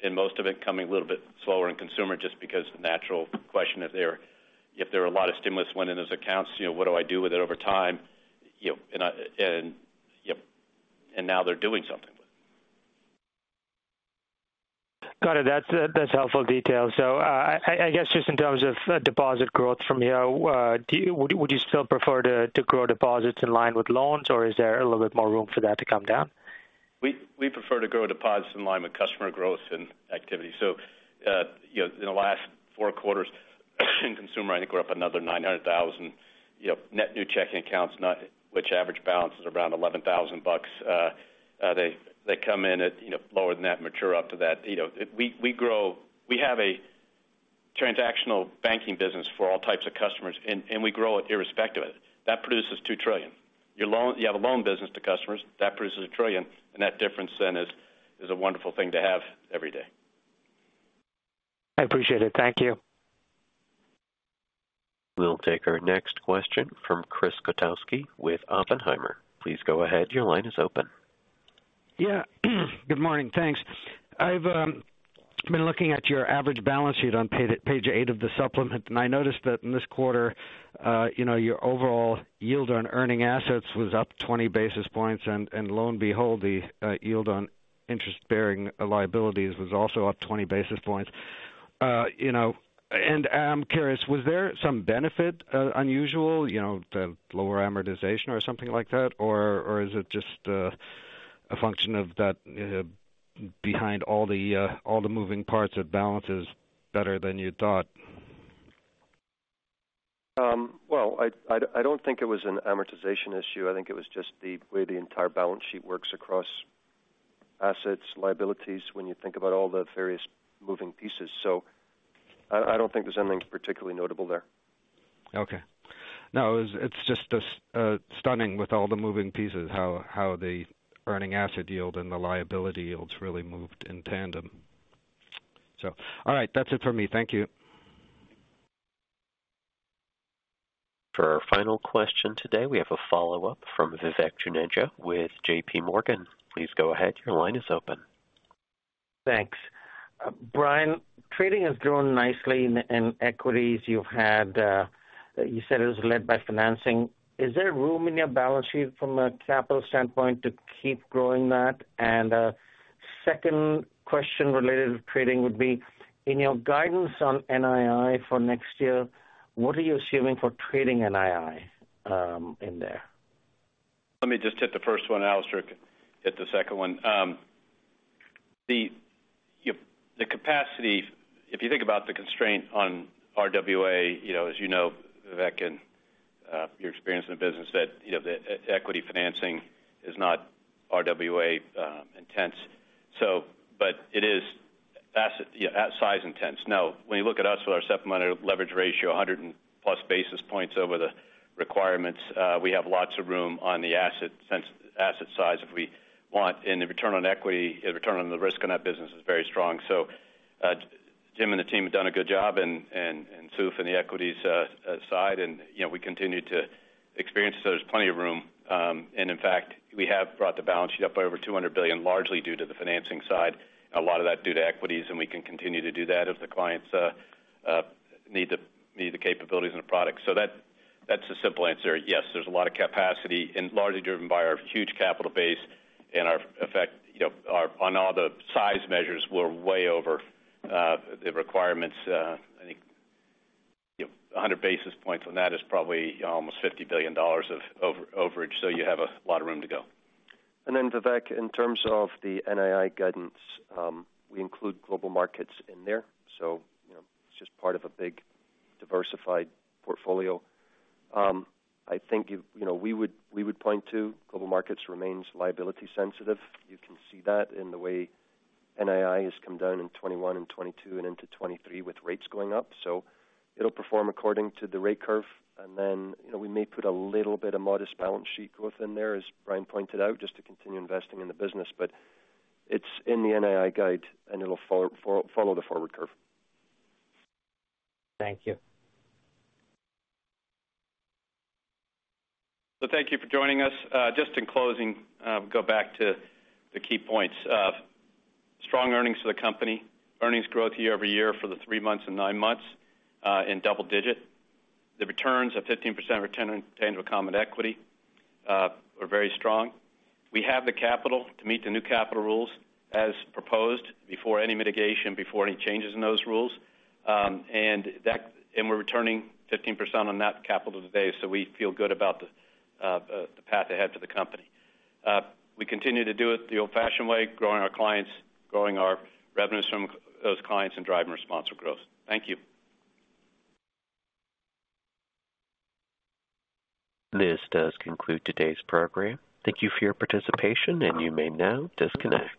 and most of it coming a little bit slower in consumer, just because the natural question, if there are a lot of stimulus went in those accounts, you know, what do I do with it over time? You know, and now they're doing something with it. Got it. That's, that's helpful detail. So, I, I guess just in terms of deposit growth from here, do you- would you still prefer to, to grow deposits in line with loans, or is there a little bit more room for that to come down? We prefer to grow deposits in line with customer growth and activity. So, you know, in the last four quarters, in consumer, I think we're up another 900,000, you know, net new checking accounts, which average balance is around $11,000. They come in at, you know, lower than that, mature up to that. You know, we grow—we have a transactional banking business for all types of customers, and we grow it irrespective of it. That produces $2 trillion. Your loan—you have a loan business to customers, that produces $1 trillion, and that difference then is a wonderful thing to have every day. I appreciate it. Thank you. We'll take our next question from Chris Kotowski with Oppenheimer. Please go ahead. Your line is open. Yeah. Good morning. Thanks. I've been looking at your average balance sheet on page 8 of the supplement, and I noticed that in this quarter, you know, your overall yield on earning assets was up 20 basis points, and lo and behold, the yield on interest-bearing liabilities was also up 20 basis points. You know, and I'm curious, was there some benefit, unusual, you know, the lower amortization or something like that? Or is it just a function of that behind all the moving parts of balances better than you thought? Well, I don't think it was an amortization issue. I think it was just the way the entire balance sheet works across assets, liabilities, when you think about all the various moving pieces. So I don't think there's anything particularly notable there. Okay. No, it's just, stunning with all the moving pieces, how the earning asset yield and the liability yields really moved in tandem. So all right, that's it for me. Thank you. For our final question today, we have a follow-up from Vivek Juneja with JPMorgan. Please go ahead. Your line is open. Thanks. Brian, trading has grown nicely in equities. You've had, you said it was led by financing. Is there room in your balance sheet from a capital standpoint to keep growing that? And, second question related to trading would be: in your guidance on NII for next year, what are you assuming for trading NII, in there? Let me just hit the first one, and Alastair can hit the second one. Yep, the capacity, if you think about the constraint on RWA, you know, as you know, Vivek, and your experience in the business, that, you know, the equity financing is not RWA intense. So, but it is asset, yeah, size intense. Now, when you look at us with our supplementary leverage ratio, 100+ basis points over the requirements, we have lots of room on the asset size if we want, and the return on equity, return on the risk on that business is very strong. So, Jim and the team have done a good job and Soof and the equities side, and, you know, we continue to experience it. So there's plenty of room. And in fact, we have brought the balance sheet up by over $200 billion, largely due to the financing side. A lot of that due to equities, and we can continue to do that if the clients need the capabilities and the products. So that, that's the simple answer. Yes, there's a lot of capacity and largely driven by our huge capital base and our effect, you know. On all the size measures, we're way over the requirements. I think, you know, 100 basis points on that is probably almost $50 billion of overage, so you have a lot of room to go. Then, Vivek, in terms of the NII guidance, we include Global Markets in there, so, you know, it's just part of a big diversified portfolio. I think, you know, we would point to Global Markets remains liability sensitive. You can see that in the way NII has come down in 2021 and 2022 and into 2023 with rates going up. So it'll perform according to the rate curve, and then, you know, we may put a little bit of modest balance sheet growth in there, as Brian pointed out, just to continue investing in the business. But it's in the NII guide, and it'll follow the forward curve. Thank you. So thank you for joining us. Just in closing, go back to the key points. Strong earnings for the company. Earnings growth year-over-year for the three months and nine months in double-digit. The returns of 15% return on common equity are very strong. We have the capital to meet the new capital rules as proposed, before any mitigation, before any changes in those rules. And we're returning 15% on that capital today, so we feel good about the path ahead for the company. We continue to do it the old-fashioned way, growing our clients, growing our revenues from those clients, and driving responsible growth. Thank you. This does conclude today's program. Thank you for your participation, and you may now disconnect.